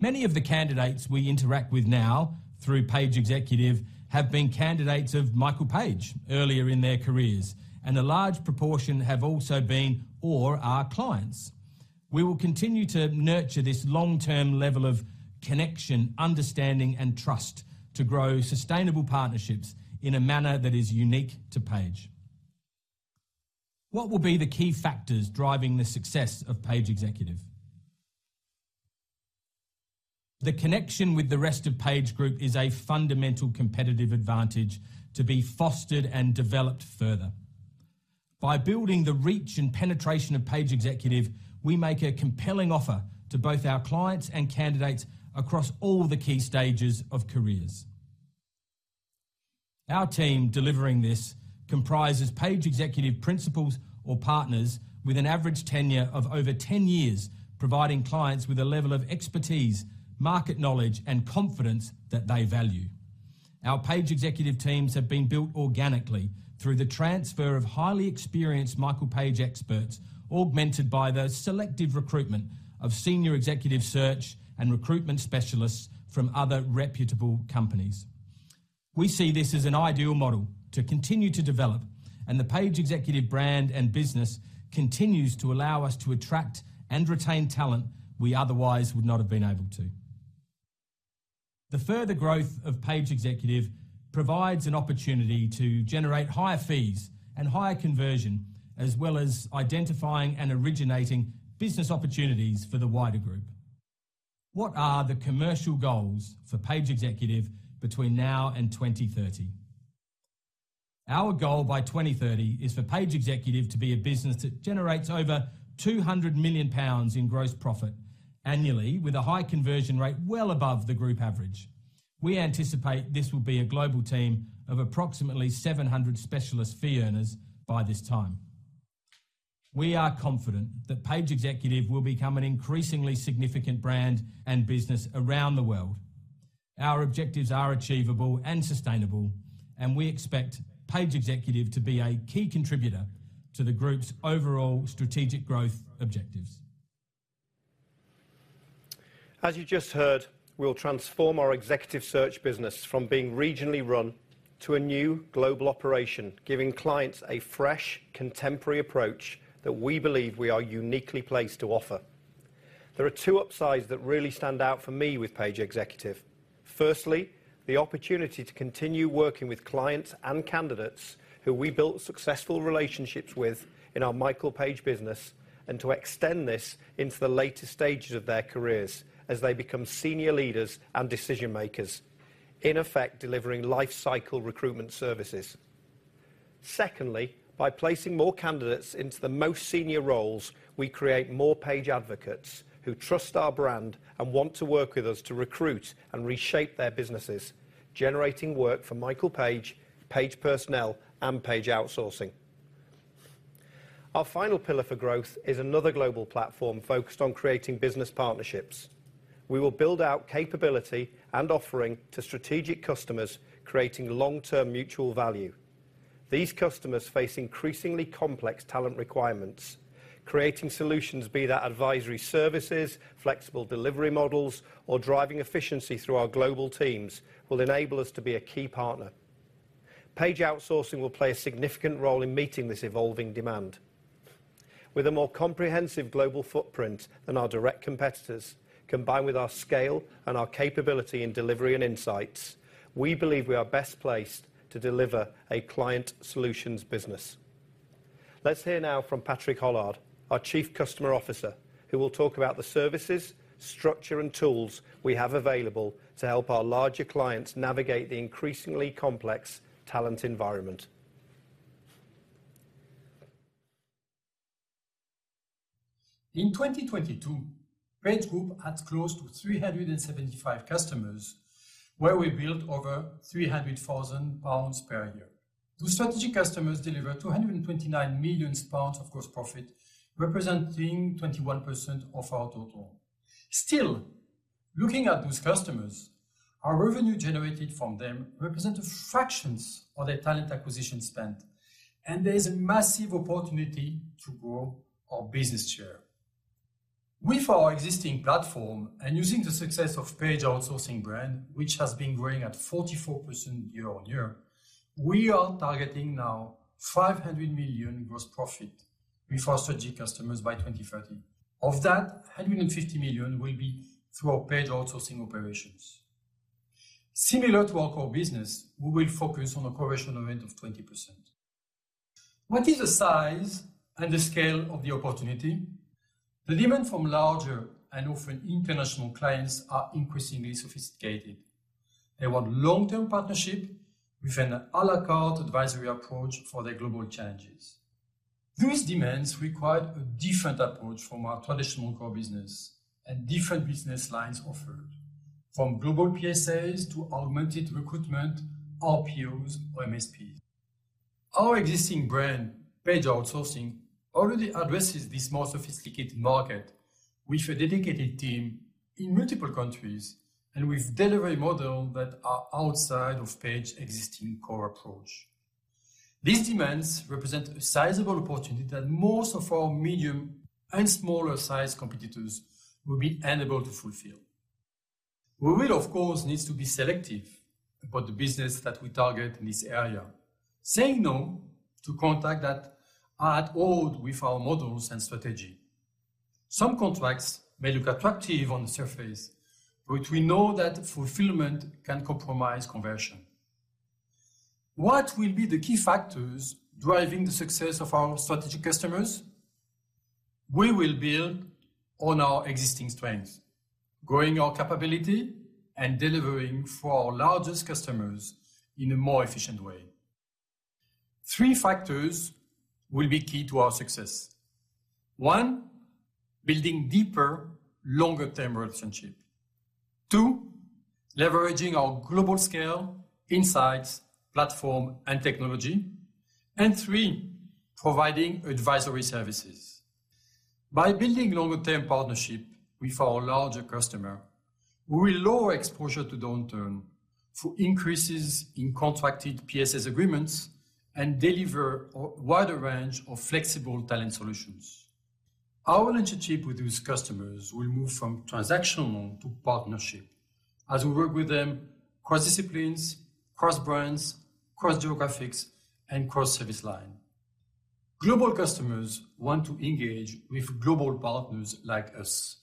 Many of the candidates we interact with now through Page Executive have been candidates of Michael Page earlier in their careers, and a large proportion have also been or are clients. We will continue to nurture this long-term level of connection, understanding, and trust to grow sustainable partnerships in a manner that is unique to Page. What will be the key factors driving the success of Page Executive? The connection with the rest of PageGroup is a fundamental competitive advantage to be fostered and developed further. By building the reach and penetration of Page Executive, we make a compelling offer to both our clients and candidates across all the key stages of careers. Our team delivering this comprises Page Executive principals or partners with an average tenure of over 10 years, providing clients with a level of expertise, market knowledge, and confidence that they value. Our Page Executive teams have been built organically through the transfer of highly experienced Michael Page experts, augmented by the selective recruitment of senior executive search and recruitment specialists from other reputable companies. We see this as an ideal model to continue to develop, and the Page Executive brand and business continues to allow us to attract and retain talent we otherwise would not have been able to. The further growth of Page Executive provides an opportunity to generate higher fees and higher conversion, as well as identifying and originating business opportunities for the wider group. What are the commercial goals for Page Executive between now and 2030? Our goal by 2030 is for Page Executive to be a business that generates over 200 million pounds in gross profit annually with a high conversion rate well above the group average. We anticipate this will be a global team of approximately 700 specialist fee earners by this time. We are confident that Page Executive will become an increasingly significant brand and business around the world. Our objectives are achievable and sustainable, and we expect Page Executive to be a key contributor to the group's overall strategic growth objectives. As you just heard, we'll transform our executive search business from being regionally run to a new global operation, giving clients a fresh, contemporary approach that we believe we are uniquely placed to offer. There are two upsides that really stand out for me with Page Executive. Firstly, the opportunity to continue working with clients and candidates who we built successful relationships with in our Michael Page business, and to extend this into the later stages of their careers as they become senior leaders and decision-makers. In effect, delivering life cycle recruitment services. Secondly, by placing more candidates into the most senior roles, we create more Page advocates who trust our brand and want to work with us to recruit and reshape their businesses, generating work for Michael Page, Page Personnel, and Page Outsourcing. Our final pillar for growth is another global platform focused on creating business partnerships. We will build out capability and offering to Strategic Customers, creating long-term mutual value. These customers face increasingly complex talent requirements. Creating solutions, be that advisory services, flexible delivery models, or driving efficiency through our global teams, will enable us to be a key partner. Page Outsourcing will play a significant role in meeting this evolving demand. With a more comprehensive global footprint than our direct competitors, combined with our scale and our capability in delivery and insights, we believe we are best placed to deliver a client solutions business. Let's hear now from Patrick Hollard, our Chief Customer Officer, who will talk about the services, structure, and tools we have available to help our larger clients navigate the increasingly complex talent environment. In 2022, PageGroup had close to 375 customers, where we built over 300,000 pounds per year. Those Strategic Customers delivered 229 million pounds of gross profit, representing 21% of our total. Still, looking at those customers, our revenue generated from them represent a fraction of their talent acquisition spend, and there is a massive opportunity to grow our business share. With our existing platform and using the success of Page Outsourcing brand, which has been growing at 44% year-on-year. We are targeting now 500 million gross profit with our Strategic Customers by 2030. Of that, 150 million will be through our Page Outsourcing operations. Similar to our core business, we will focus on a conversion rate of 20%. What is the size and the scale of the opportunity? The demand from larger and often international clients are increasingly sophisticated. They want long-term partnership with an à la carte advisory approach for their global challenges. These demands require a different approach from our traditional core business and different business lines offered, from global PSAs to augmented recruitment, RPOs or MSPs. Our existing brand, Page Outsourcing, already addresses this more sophisticated market with a dedicated team in multiple countries and with delivery model that are outside of Page existing core approach. These demands represent a sizable opportunity that most of our medium and smaller sized competitors will be unable to fulfill. We will, of course, need to be selective about the business that we target in this area, saying no to contract that are at odd with our models and strategy. Some contracts may look attractive on the surface, but we know that fulfillment can compromise conversion. What will be the key factors driving the success of our Strategic Customers? We will build on our existing strengths, growing our capability and delivering for our largest customers in a more efficient way. Three factors will be key to our success. One, building deeper, longer-term relationship. Two, leveraging our global scale, insights, platform, and technology. And three, providing advisory services. By building longer-term partnership with our larger customer, we will lower exposure to downturn through increases in contracted PSA agreements and deliver a wider range of flexible talent solutions. Our relationship with these customers will move from transactional to partnership as we work with them cross disciplines, cross brands, cross geographics, and cross service line. Global customers want to engage with global partners like us,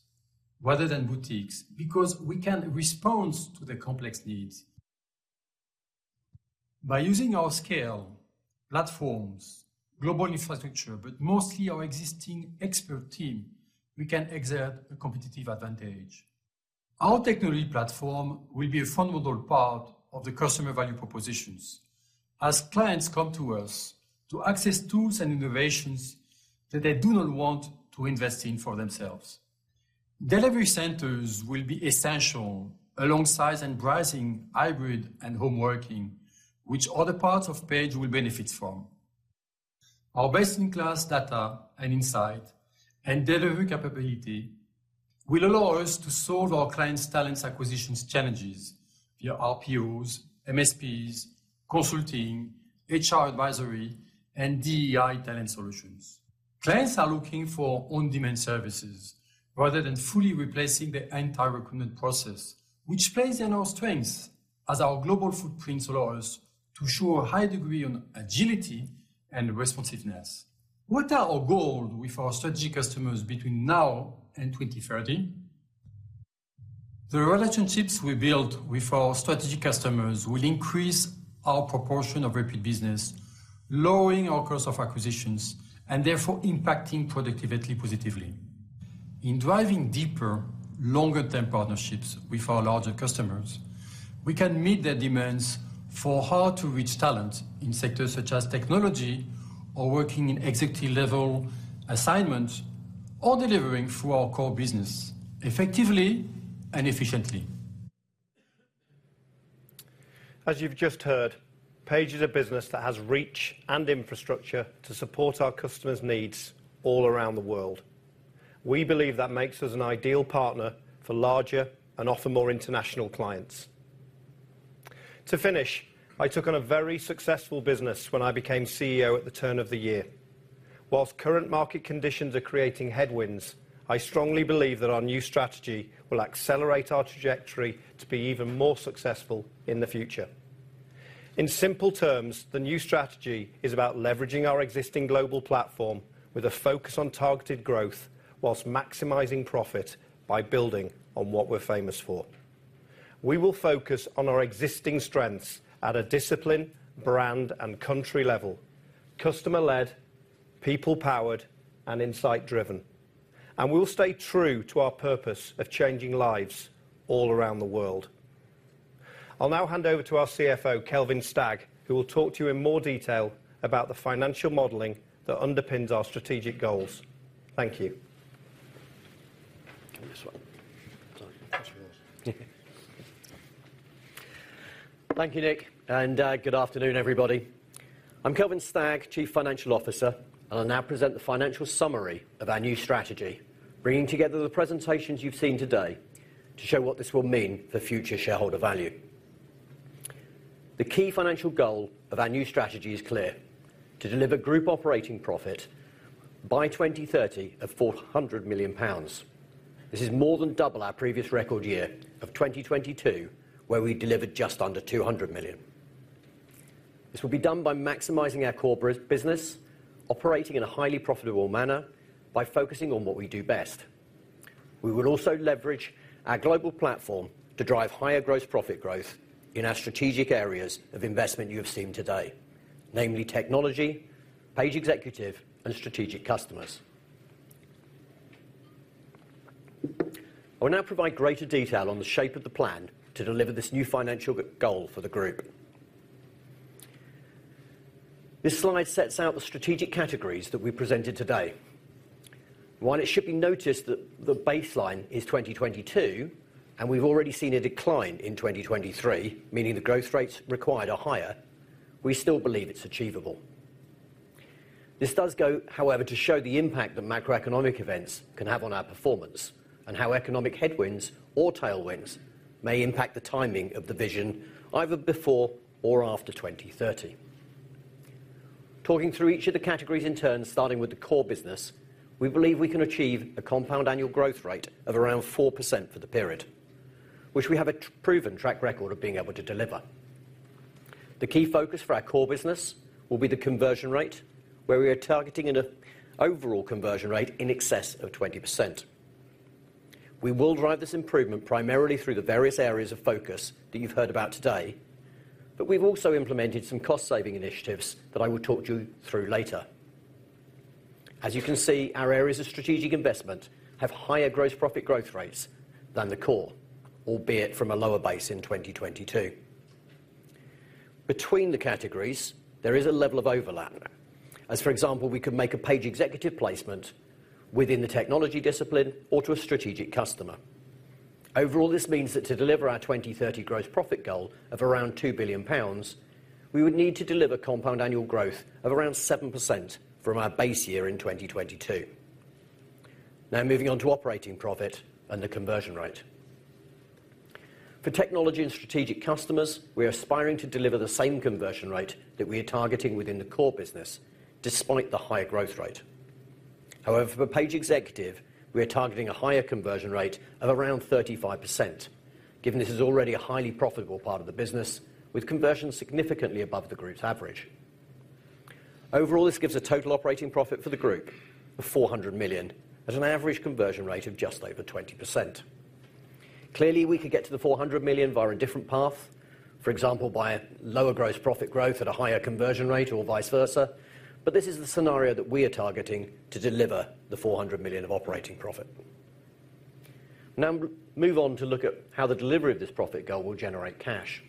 rather than boutiques, because we can respond to their complex needs. By using our scale, platforms, global infrastructure, but mostly our existing expert team, we can exert a competitive advantage. Our technology platform will be a fundamental part of the customer value propositions as clients come to us to access tools and innovations that they do not want to invest in for themselves. Delivery centers will be essential alongside and embracing hybrid and home working, which other parts of Page will benefit from. Our best-in-class data and insight and delivery capability will allow us to solve our clients' talent acquisition challenges via RPOs, MSPs, consulting, HR advisory, and DE&I talent solutions. Clients are looking for on-demand services rather than fully replacing the entire recruitment process, which plays in our strengths as our global footprint allows us to show a high degree of agility and responsiveness. What are our goals with our Strategic Customers between now and 2030? The relationships we build with our Strategic Customers will increase our proportion of repeat business, lowering our cost of acquisitions, and therefore impacting productivity positively. In driving deeper, longer-term partnerships with our larger customers, we can meet their demands for hard-to-reach talent in sectors such as technology or working in executive level assignments, or delivering through our core business effectively and efficiently. As you've just heard, Page is a business that has reach and infrastructure to support our customers' needs all around the world. We believe that makes us an ideal partner for larger and often more international clients. To finish, I took on a very successful business when I became CEO at the turn of the year. While current market conditions are creating headwinds, I strongly believe that our new strategy will accelerate our trajectory to be even more successful in the future. In simple terms, the new strategy is about leveraging our existing global platform with a focus on targeted growth, while maximizing profit by building on what we're famous for. We will focus on our existing strengths at a discipline, brand, and country level, customer-led, people-powered, and insight-driven, and we will stay true to our purpose of changing lives all around the world. I'll now hand over to our CFO, Kelvin Stagg, who will talk to you in more detail about the financial modeling that underpins our strategic goals. Thank you. Come this way. Thank you, Nick, and Good Afternoon, everybody. I'm Kelvin Stagg, Chief Financial Officer, and I'll now present the financial summary of our new strategy, bringing together the presentations you've seen today to show what this will mean for future shareholder value. The key financial goal of our new strategy is clear: to deliver group operating profit by 2030 of 400 million pounds. This is more than double our previous record year of 2022, where we delivered just under 200 million. This will be done by maximizing our core business, operating in a highly profitable manner by focusing on what we do best. We will also leverage our global platform to drive higher gross profit growth in our strategic areas of investment you have seen today, namely Technology, Page Executive, and Strategic Customers. I will now provide greater detail on the shape of the plan to deliver this new financial goal for the group. This slide sets out the strategic categories that we presented today. While it should be noticed that the baseline is 2022, and we've already seen a decline in 2023, meaning the growth rates required are higher, we still believe it's achievable. This does go, however, to show the impact that macroeconomic events can have on our performance, and how economic headwinds or tailwinds may impact the timing of the vision, either before or after 2030. Talking through each of the categories in turn, starting with the core business, we believe we can achieve a compound annual growth rate of around 4% for the period, which we have a proven track record of being able to deliver. The key focus for our core business will be the conversion rate, where we are targeting an overall conversion rate in excess of 20%. We will drive this improvement primarily through the various areas of focus that you've heard about today, but we've also implemented some cost-saving initiatives that I will talk you through later. As you can see, our areas of strategic investment have higher gross profit growth rates than the core, albeit from a lower base in 2022. Between the categories, there is a level of overlap. As for example, we could make a Page Executive placement within the technology discipline or to a Strategic Customer. Overall, this means that to deliver our 2030 gross profit goal of around 2 billion pounds, we would need to deliver compound annual growth of around 7% from our base year in 2022. Now, moving on to operating profit and the conversion rate. For technology and Strategic Customers, we are aspiring to deliver the same conversion rate that we are targeting within the core business, despite the higher growth rate. However, for Page Executive, we are targeting a higher conversion rate of around 35%, given this is already a highly profitable part of the business, with conversions significantly above the group's average. Overall, this gives a total operating profit for the group of 400 million at an average conversion rate of just over 20%. Clearly, we could get to the 400 million via a different path, for example, by a lower gross profit growth at a higher conversion rate or vice versa, but this is the scenario that we are targeting to deliver the 400 million of operating profit. Now, move on to look at how the delivery of this profit goal will generate cash.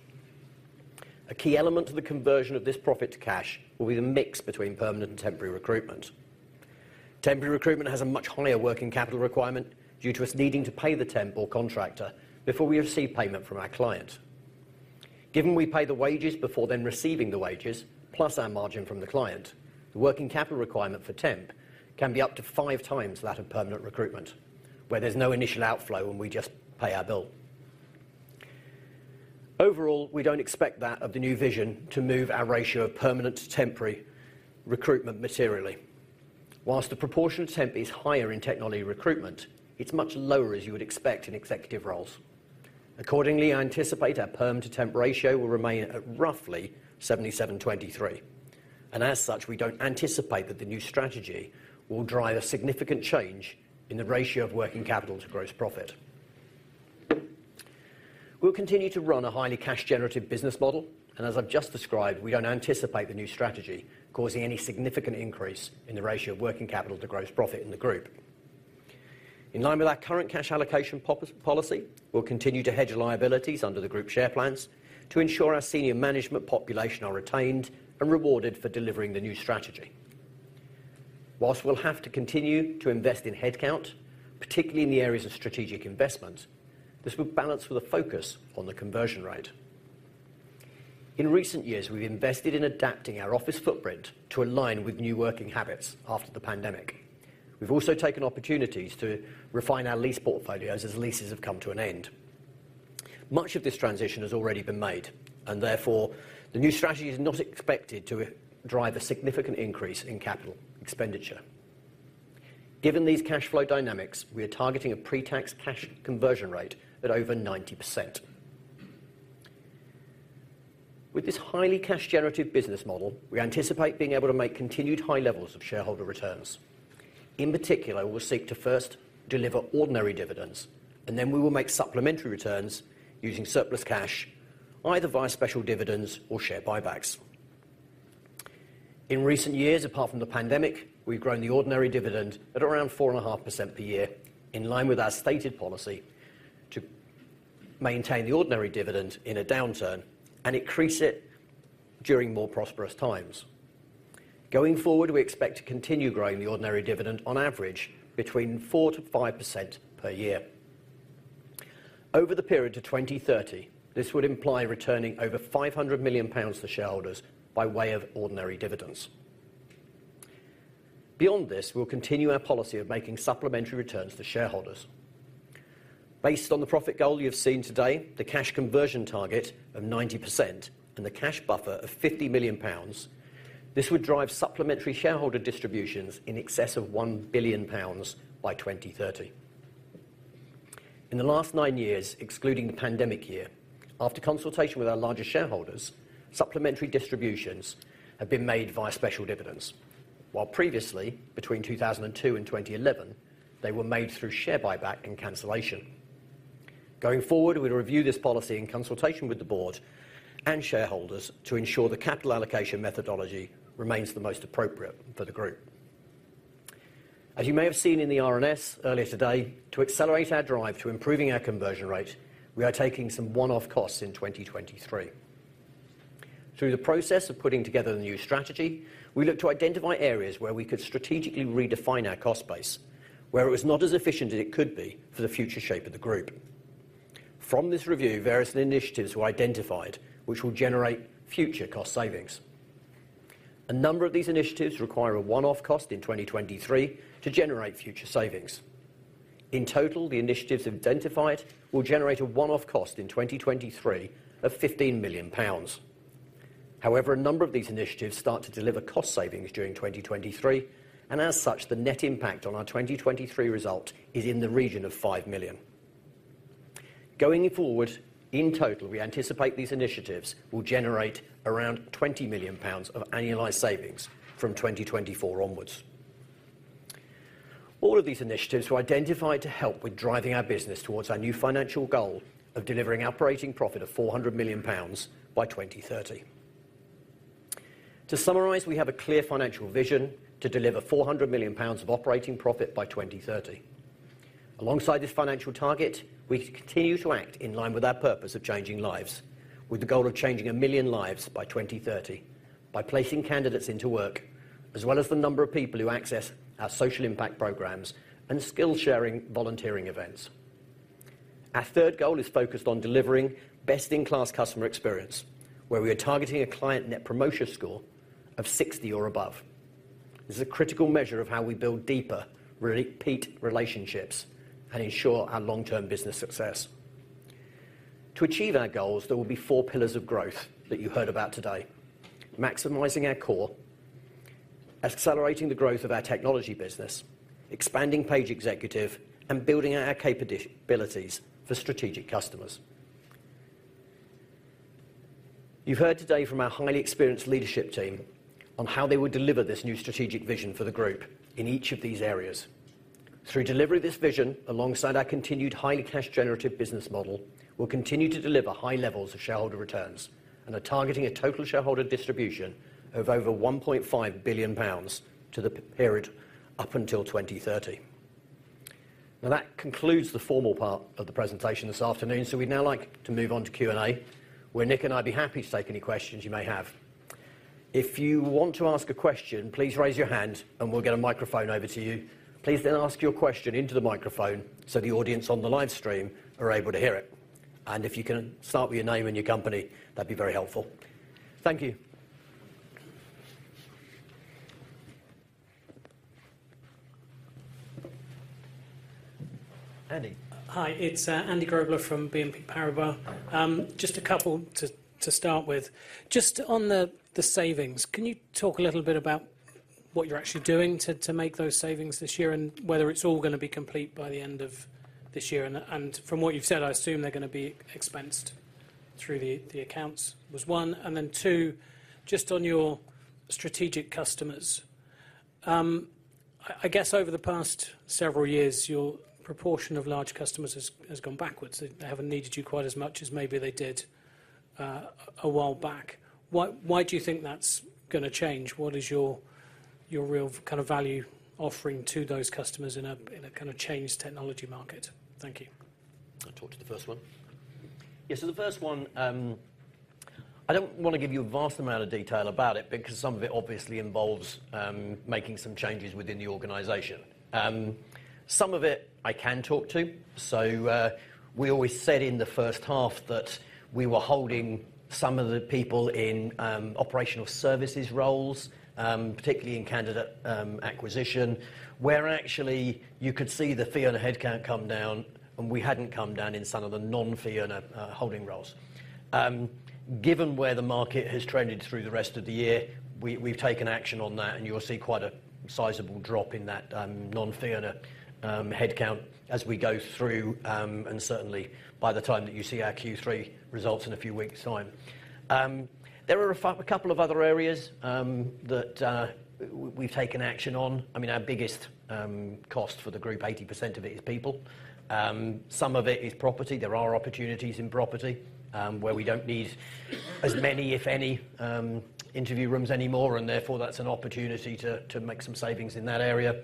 A key element to the conversion of this profit to cash will be the mix between permanent and temporary recruitment. Temporary recruitment has a much higher working capital requirement due to us needing to pay the temp or contractor before we receive payment from our client. Given we pay the wages before then receiving the wages, plus our margin from the client, the working capital requirement for temp can be up to five times that of permanent recruitment, where there's no initial outflow and we just pay our bill. Overall, we don't expect that of the new vision to move our ratio of permanent to temporary recruitment materially. While the proportion of temp is higher in technology recruitment, it's much lower as you would expect in executive roles. Accordingly, I anticipate our perm to temp ratio will remain at roughly 77-23, and as such, we don't anticipate that the new strategy will drive a significant change in the ratio of working capital to gross profit. We'll continue to run a highly cash generative business model, and as I've just described, we don't anticipate the new strategy causing any significant increase in the ratio of working capital to gross profit in the group. In line with our current cash allocation policy, we'll continue to hedge liabilities under the group share plans to ensure our senior management population are retained and rewarded for delivering the new strategy. While we'll have to continue to invest in headcount, particularly in the areas of strategic investment, this will balance with a focus on the conversion rate. In recent years, we've invested in adapting our office footprint to align with new working habits after the pandemic. We've also taken opportunities to refine our lease portfolios as leases have come to an end. Much of this transition has already been made, and therefore, the new strategy is not expected to drive a significant increase in capital expenditure. Given these cash flow dynamics, we are targeting a pre-tax cash conversion rate at over 90%. With this highly cash generative business model, we anticipate being able to make continued high levels of shareholder returns. In particular, we'll seek to first deliver ordinary dividends, and then we will make supplementary returns using surplus cash, either via special dividends or share buybacks. In recent years, apart from the pandemic, we've grown the ordinary dividend at around 4.5% per year, in line with our stated policy to maintain the ordinary dividend in a downturn and increase it during more prosperous times. Going forward, we expect to continue growing the ordinary dividend on average between 4%-5% per year. Over the period to 2030, this would imply returning over 500 million pounds to shareholders by way of ordinary dividends. Beyond this, we'll continue our policy of making supplementary returns to shareholders.... Based on the profit goal you have seen today, the cash conversion target of 90% and the cash buffer of 50 million pounds, this would drive supplementary shareholder distributions in excess of 1 billion pounds by 2030. In the last nine years, excluding the pandemic year, after consultation with our largest shareholders, supplementary distributions have been made via special dividends. While previously, between 2002 and 2011, they were made through share buyback and cancellation. Going forward, we'll review this policy in consultation with the board and shareholders to ensure the capital allocation methodology remains the most appropriate for the group. As you may have seen in the RNS earlier today, to accelerate our drive to improving our conversion rate, we are taking some one-off costs in 2023. Through the process of putting together the new strategy, we looked to identify areas where we could strategically redefine our cost base, where it was not as efficient as it could be for the future shape of the group. From this review, various initiatives were identified, which will generate future cost savings. A number of these initiatives require a one-off cost in 2023 to generate future savings. In total, the initiatives identified will generate a one-off cost in 2023 of 15 million pounds. However, a number of these initiatives start to deliver cost savings during 2023, and as such, the net impact on our 2023 result is in the region of 5 million. Going forward, in total, we anticipate these initiatives will generate around 20 million pounds of annualized savings from 2024 onwards. All of these initiatives were identified to help with driving our business towards our new financial goal of delivering operating profit of 400 million pounds by 2030. To summarize, we have a clear financial vision to deliver 400 million pounds of operating profit by 2030. Alongside this financial target, we continue to act in line with our purpose of changing lives, with the goal of changing a million lives by 2030, by placing candidates into work, as well as the number of people who access our social impact programs and skill-sharing volunteering events. Our third goal is focused on delivering best-in-class customer experience, where we are targeting a client Net Promoter Score of 60 or above. This is a critical measure of how we build deeper, repeat relationships and ensure our long-term business success. To achieve our goals, there will be four pillars of growth that you heard about today: maximizing our core, accelerating the growth of our technology business, expanding Page Executive, and building out our capabilities for Strategic Customers. You've heard today from our highly experienced leadership team on how they will deliver this new strategic vision for the group in each of these areas. Through delivery of this vision, alongside our continued highly cash-generative business model, we'll continue to deliver high levels of shareholder returns and are targeting a total shareholder distribution of over 1.5 billion pounds to the period up until 2030. Now, that concludes the formal part of the presentation this afternoon. So we'd now like to move on to Q&A, where Nick and I'd be happy to take any questions you may have. If you want to ask a question, please raise your hand and we'll get a microphone over to you. Please then ask your question into the microphone so the audience on the live stream are able to hear it. If you can start with your name and your company, that'd be very helpful. Thank you. Andy? Hi, it's Andy Grobler from BNP Paribas. Just a couple to start with. Just on the savings, can you talk a little bit about what you're actually doing to make those savings this year, and whether it's all gonna be complete by the end of this year? And from what you've said, I assume they're gonna be expensed through the accounts, was one. And then two, just on your Strategic Customers, I guess over the past several years, your proportion of large customers has gone backwards. They haven't needed you quite as much as maybe they did a while back. Why do you think that's gonna change? What is your real kind of value offering to those customers in a kind of changed technology market? Thank you. I'll talk to the first one. Yeah, the first one, I don't want to give you a vast amount of detail about it because some of it obviously involves making some changes within the organization. Some of it I can talk to. We always said in the H1 that we were holding some of the people in operational services roles, particularly in candidate acquisition, where actually you could see the Fiona headcount come down, and we hadn't come down in some of the non-Fiona holding roles. Given where the market has trended through the rest of the year, we, we've taken action on that, and you will see quite a sizable drop in that, non-Fiona, headcount as we go through, and certainly by the time that you see our Q3 results in a few weeks' time. There are a couple of other areas, that, we've taken action on. I mean, our biggest, cost for the group, 80% of it, is people. Some of it is property. There are opportunities in property, where we don't need as many, if any, interview rooms anymore, and therefore, that's an opportunity to, to make some savings in that area.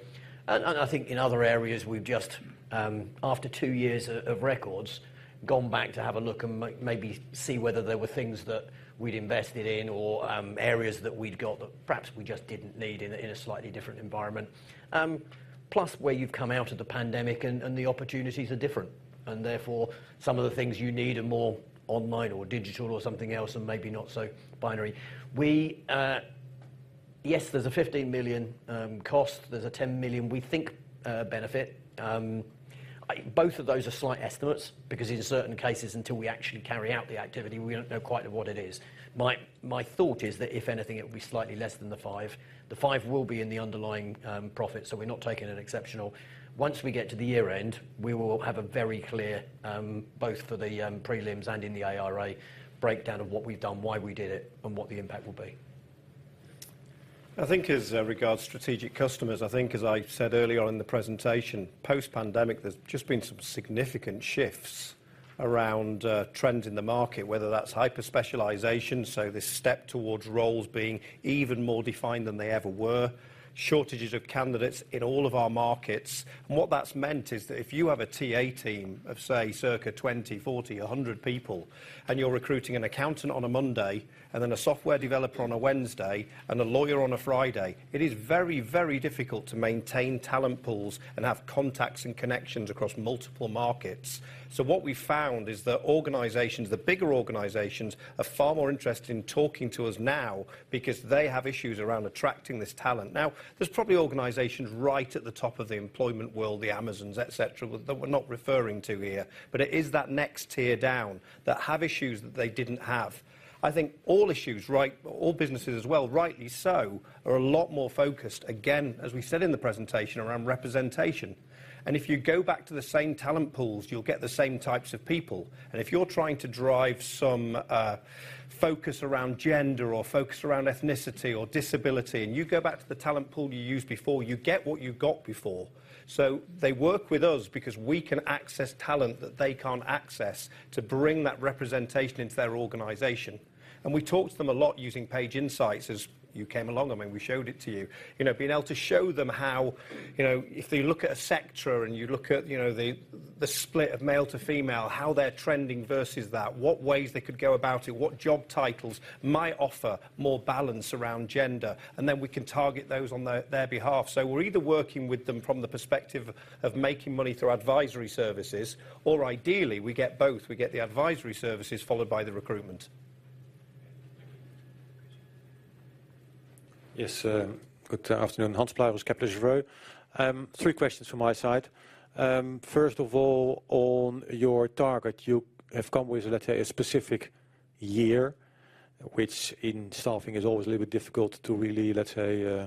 And I think in other areas, we've just, after two years of records, gone back to have a look and maybe see whether there were things that we'd invested in or, areas that we'd got that perhaps we just didn't need in a, in a slightly different environment. Plus, where you've come out of the pandemic and, and the opportunities are different, and therefore, some of the things you need are more online or digital or something else and maybe not so binary. We... Yes, there's a 15 million cost, there's a 10 million, we think, benefit. Both of those are slight estimates because in certain cases, until we actually carry out the activity, we don't know quite what it is. My, my thought is that if anything, it will be slightly less than the 5. The five will be in the underlying profit, so we're not taking an exceptional. Once we get to the year end, we will have a very clear both for the prelims and in the IRA breakdown of what we've done, why we did it, and what the impact will be. I think as regards Strategic Customers, I think as I said earlier on in the presentation, post-pandemic, there's just been some significant shifts around trends in the market, whether that's hyper-specialization, so this step towards roles being even more defined than they ever were, shortages of candidates in all of our markets. And what that's meant is that if you have a TA team of, say, circa 20, 40, 100 people, and you're recruiting an accountant on a Monday, and then a software developer on a Wednesday, and a lawyer on a Friday, it is very, very difficult to maintain talent pools and have contacts and connections across multiple markets. So what we found is that organizations, the bigger organizations, are far more interested in talking to us now because they have issues around attracting this talent. Now, there's probably organizations right at the top of the employment world, the Amazons, et cetera, that we're not referring to here, but it is that next tier down that have issues that they didn't have. I think all issues, right—all businesses as well, rightly so, are a lot more focused, again, as we said in the presentation, around representation. And if you go back to the same talent pools, you'll get the same types of people. And if you're trying to drive some, focus around gender, or focus around ethnicity or disability, and you go back to the talent pool you used before, you get what you got before. So they work with us because we can access talent that they can't access to bring that representation into their organization. We talk to them a lot using Page Insights, as you came along, I mean, we showed it to you. You know, being able to show them how, you know, if they look at a sector and you look at, you know, the split of male to female, how they're trending versus that, what ways they could go about it, what job titles might offer more balance around gender, and then we can target those on their behalf. So we're either working with them from the perspective of making money through advisory services, or ideally, we get both. We get the advisory services followed by the recruitment. Yes, Good Afternoon. Hans Pluijgers with Kepler Cheuvreux. Three questions from my side. First of all, on your target, you have come with, let's say, a specific year, which in staffing is always a little bit difficult to really, let's say,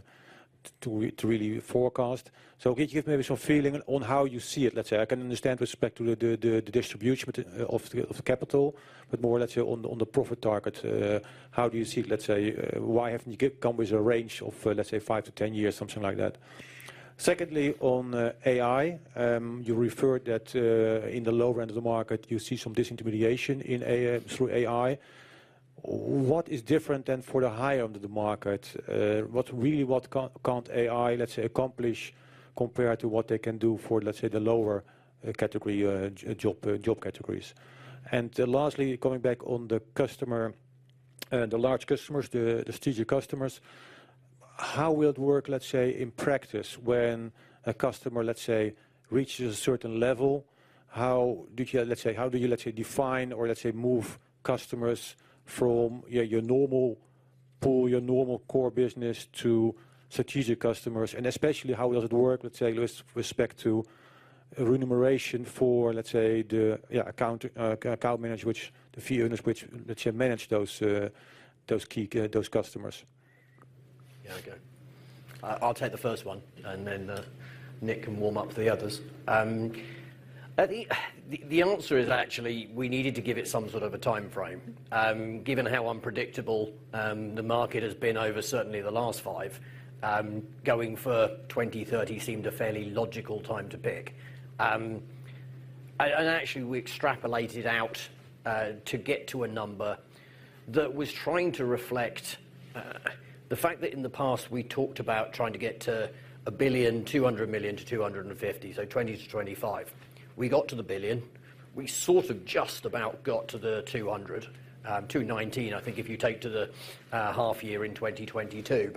to really forecast. So could you give maybe some feeling on how you see it? Let's say, I can understand with respect to the distribution of the capital, but more, let's say, on the profit target, how do you see it? Let's say, why haven't you come with a range of, let's say, 5-10 years, something like that. Secondly, on AI, you referred that in the lower end of the market, you see some disintermediation in AI, through AI. What is different than for the higher end of the market? What really, what can't AI, let's say, accomplish compared to what they can do for, let's say, the lower, category, job categories? Lastly, coming back on the customer, the large customers, the Strategic Customers. How will it work, let's say, in practice, when a customer, let's say, reaches a certain level, how did you, let's say, how do you, let's say, define or, let's say, move customers from your normal pool, your normal core business, to Strategic Customers? Especially, how does it work, let's say, with respect to remuneration for, let's say, the, yeah, account, account manager, which the few owners which, let's say, manage those, those key, those customers? Yeah, okay. I'll take the first one, and then Nick can warm up for the others. The answer is actually, we needed to give it some sort of a timeframe. Given how unpredictable the market has been over certainly the last five, going for 2030 seemed a fairly logical time to pick. Actually, we extrapolated out to get to a number that was trying to reflect the fact that in the past we talked about trying to get to 1.2 billion-1.25 billion, so 20 to 25. We got to the 1 billion. We sort of just about got to the 200, 219, I think, if you take it to the half year in 2022.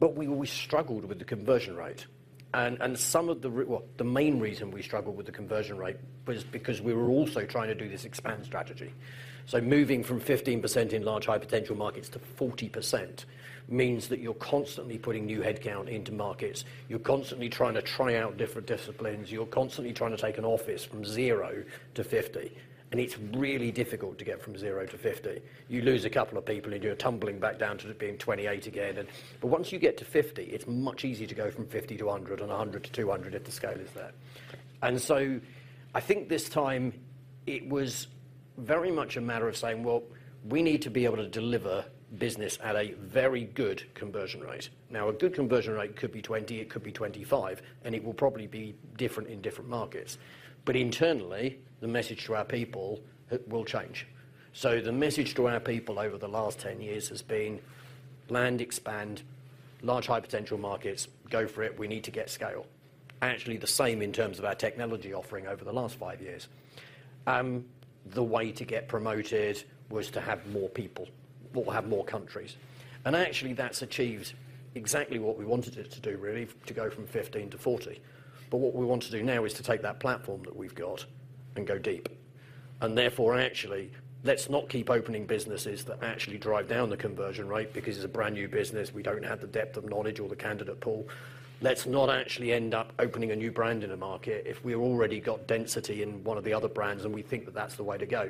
But we always struggled with the conversion rate. Well, the main reason we struggled with the conversion rate was because we were also trying to do this expand strategy. Moving from 15% in large, high potential markets to 40% means that you're constantly putting new headcount into markets. You're constantly trying to try out different disciplines. You're constantly trying to take an office from zero to 50, and it's really difficult to get from zero to 50. You lose a couple of people, and you're tumbling back down to it being 28 again. But once you get to 50, it's much easier to go from 50 to 100 and 100 to 200 if the scale is there. So I think this time it was very much a matter of saying: Well, we need to be able to deliver business at a very good conversion rate. Now, a good conversion rate could be 20, it could be 25, and it will probably be different in different markets, but internally, the message to our people will change. So the message to our people over the last 10 years has been land, expand, large, high potential markets, go for it, we need to get scale. Actually, the same in terms of our technology offering over the last 5 years. The way to get promoted was to have more people or have more countries. And actually, that's achieved exactly what we wanted it to do, really, to go from 15 to 40. But what we want to do now is to take that platform that we've got-... Go deep. Therefore, actually, let's not keep opening businesses that actually drive down the conversion rate because it's a brand-new business, we don't have the depth of knowledge or the candidate pool. Let's not actually end up opening a new brand in a market if we've already got density in one of the other brands, and we think that that's the way to go.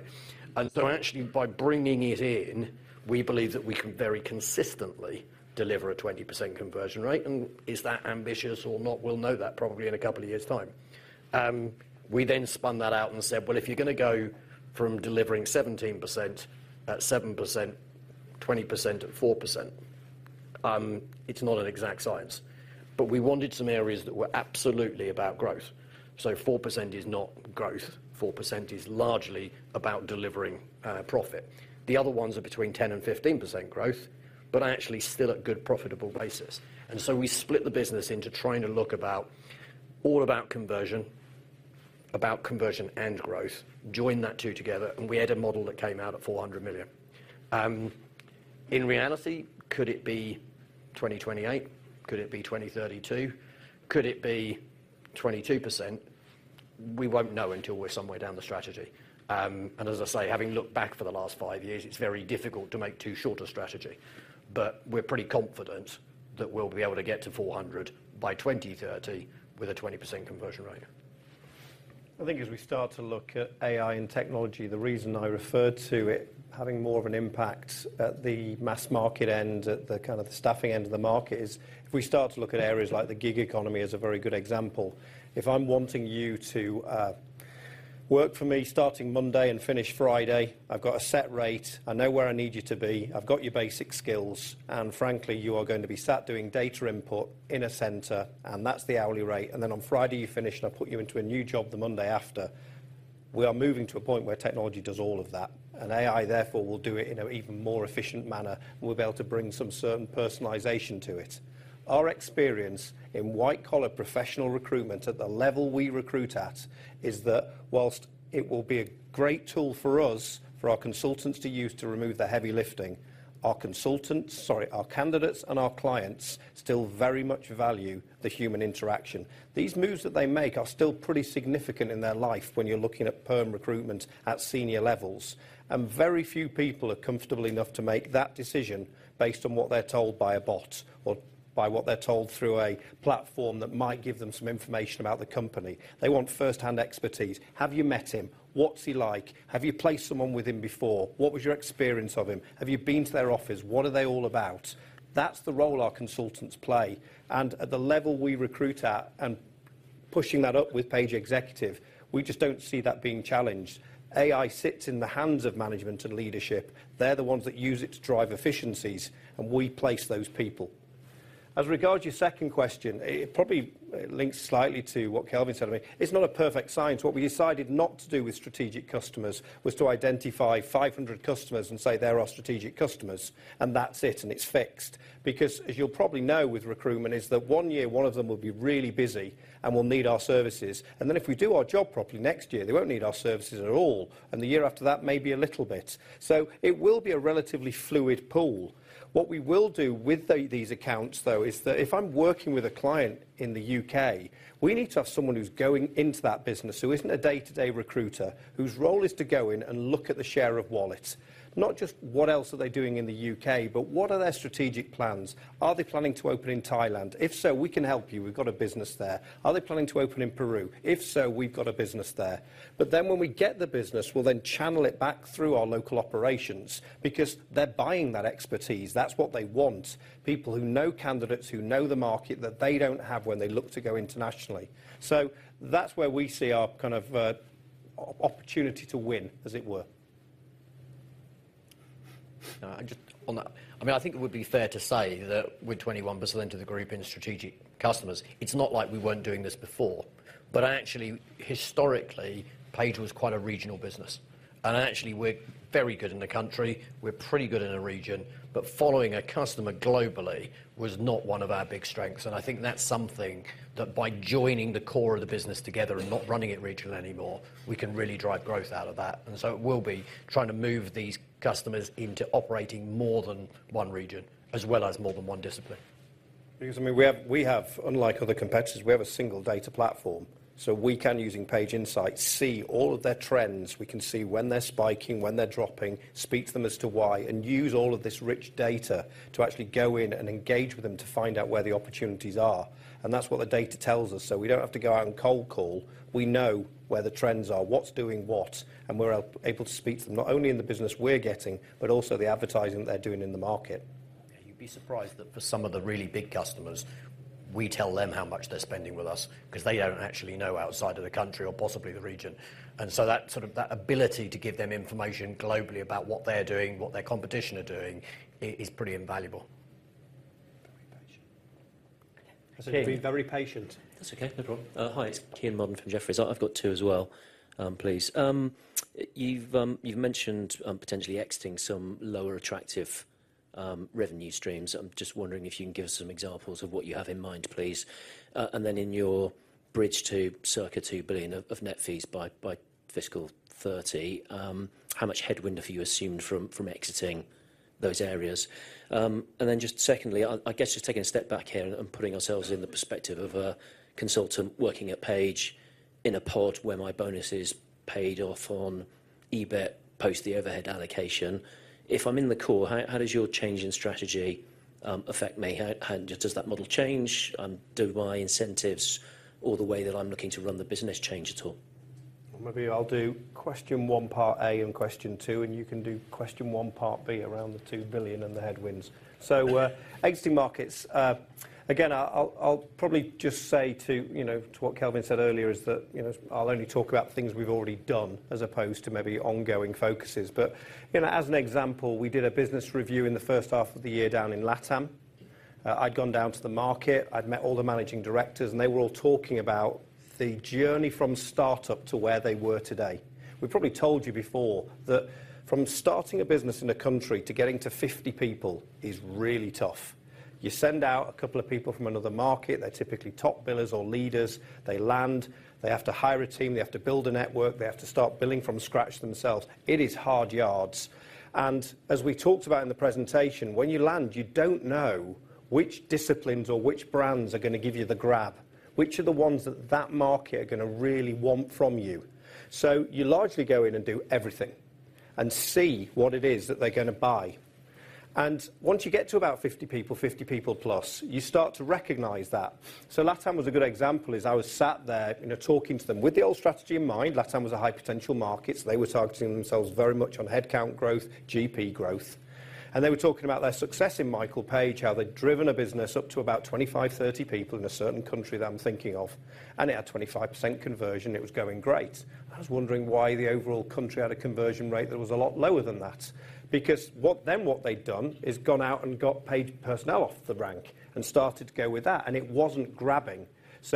Actually, by bringing it in, we believe that we can very consistently deliver a 20% conversion rate. Is that ambitious or not? We'll know that probably in a couple of years' time. We then spun that out and said: Well, if you're gonna go from delivering 17% at 7%, 20% at 4%, it's not an exact science, but we wanted some areas that were absolutely about growth. 4% is not growth. 4% is largely about delivering profit. The other ones are between 10% and 15% growth, but actually still at good profitable basis. So we split the business into trying to look about all about conversion, about conversion and growth, joined that two together, and we had a model that came out at 400 million. In reality, could it be 2028? Could it be 2032? Could it be 22%? We won't know until we're somewhere down the strategy. And as I say, having looked back for the last 5 years, it's very difficult to make too short a strategy, but we're pretty confident that we'll be able to get to 400 million by 2030 with a 20% conversion rate. I think as we start to look at AI and technology, the reason I referred to it having more of an impact at the mass market end, at the kind of the staffing end of the market, is if we start to look at areas like the gig economy as a very good example, if I'm wanting you to work for me starting Monday and finish Friday, I've got a set rate, I know where I need you to be, I've got your basic skills, and frankly, you are going to be sat doing data input in a center, and that's the hourly rate. And then on Friday, you finish, and I put you into a new job the Monday after. We are moving to a point where technology does all of that, and AI, therefore, will do it in an even more efficient manner, and we'll be able to bring some certain personalization to it. Our experience in white-collar professional recruitment at the level we recruit at is that whilst it will be a great tool for us, for our consultants to use to remove the heavy lifting, our consultants—sorry, our candidates and our clients still very much value the human interaction. These moves that they make are still pretty significant in their life when you're looking at perm recruitment at senior levels. And very few people are comfortable enough to make that decision based on what they're told by a bot or by what they're told through a platform that might give them some information about the company. They want first-hand expertise. Have you met him? What's he like? Have you placed someone with him before? What was your experience of him? Have you been to their office? What are they all about? That's the role our consultants play, and at the level we recruit at and pushing that up with Page Executive, we just don't see that being challenged. AI sits in the hands of management and leadership. They're the ones that use it to drive efficiencies, and we place those people. As regards to your second question, it probably links slightly to what Kelvin said to me. It's not a perfect science. What we decided not to do with Strategic Customers was to identify 500 customers and say, "They're our Strategic Customers," and that's it, and it's fixed. Because as you'll probably know, with recruitment, is that one year, one of them will be really busy and will need our services, and then if we do our job properly, next year, they won't need our services at all, and the year after that, maybe a little bit. So it will be a relatively fluid pool. What we will do with these accounts, though, is that if I'm working with a client in the U.K., we need to have someone who's going into that business, who isn't a day-to-day recruiter, whose role is to go in and look at the share of wallet, not just what else are they doing in the U.K., but what are their strategic plans? Are they planning to open in Thailand? If so, we can help you. We've got a business there. Are they planning to open in Peru? If so, we've got a business there. But then when we get the business, we'll then channel it back through our local operations because they're buying that expertise. That's what they want, people who know candidates, who know the market that they don't have when they look to go internationally. So that's where we see our kind of opportunity to win, as it were. And just on that, I mean, I think it would be fair to say that with 21% of the group in Strategic Customers, it's not like we weren't doing this before, but actually, historically, Page was quite a regional business, and actually, we're very good in the country, we're pretty good in a region, but following a customer globally was not one of our big strengths. And I think that's something that by joining the core of the business together and not running it regional anymore, we can really drive growth out of that. And so it will be trying to move these customers into operating more than one region, as well as more than one discipline. Because, I mean, we have, unlike other competitors, we have a single data platform, so we can, using Page Insights, see all of their trends. We can see when they're spiking, when they're dropping, speak to them as to why, and use all of this rich data to actually go in and engage with them to find out where the opportunities are, and that's what the data tells us. So we don't have to go out and cold call. We know where the trends are, what's doing what, and we're able to speak to them, not only in the business we're getting, but also the advertising they're doing in the market. You'd be surprised that for some of the really big customers, we tell them how much they're spending with us because they don't actually know outside of the country or possibly the region. And so that sort of, that ability to give them information globally about what they're doing, what their competition are doing, is pretty invaluable. Very patient. Okay. You've been very patient. That's okay, no problem. Hi, it's Kean Marden from Jefferies. I've got two as well, please. You've mentioned potentially exiting some lower attractive- ... revenue streams. I'm just wondering if you can give us some examples of what you have in mind, please. And then in your bridge to circa 2 billion of net fees by fiscal 2030, how much headwind have you assumed from exiting those areas? And then just secondly, I guess just taking a step back here and putting ourselves in the perspective of a consultant working at Page in a pod where my bonus is paid off on EBIT, post the overhead allocation. If I'm in the core, how does your change in strategy affect me? How does that model change, and do my incentives or the way that I'm looking to run the business change at all? Well, maybe I'll do question one, part A, and question two, and you can do question one, part B, around the 2 billion and the headwinds. Exiting markets. I’ll probably just say to, you know, to what Kelvin said earlier is that, you know, I'll only talk about the things we've already done as opposed to maybe ongoing focuses. You know, as an example, we did a business review in the H1 of the year down in LATAM. I’d gone down to the market, I’d met all the managing directors, and they were all talking about the journey from start-up to where they were today. We probably told you before that from starting a business in a country to getting to 50 people is really tough. You send out a couple of people from another market, they're typically top billers or leaders. They land, they have to hire a team, they have to build a network, they have to start billing from scratch themselves. It is hard yards, and as we talked about in the presentation, when you land, you don't know which disciplines or which brands are gonna give you the grab, which are the ones that that market are gonna really want from you. You largely go in and do everything and see what it is that they're gonna buy. Once you get to about 50 people, 50 people plus, you start to recognize that. LATAM was a good example, as I was sat there, you know, talking to them with the old strategy in mind. LATAM was a high potential market, so they were targeting themselves very much on headcount growth, GP growth. They were talking about their success in Michael Page, how they'd driven a business up to about 25, 30 people in a certain country that I'm thinking of, and it had 25% conversion. It was going great. I was wondering why the overall country had a conversion rate that was a lot lower than that. Because what they'd done is gone out and got Page Personnel off the rank and started to go with that, and it wasn't grabbing.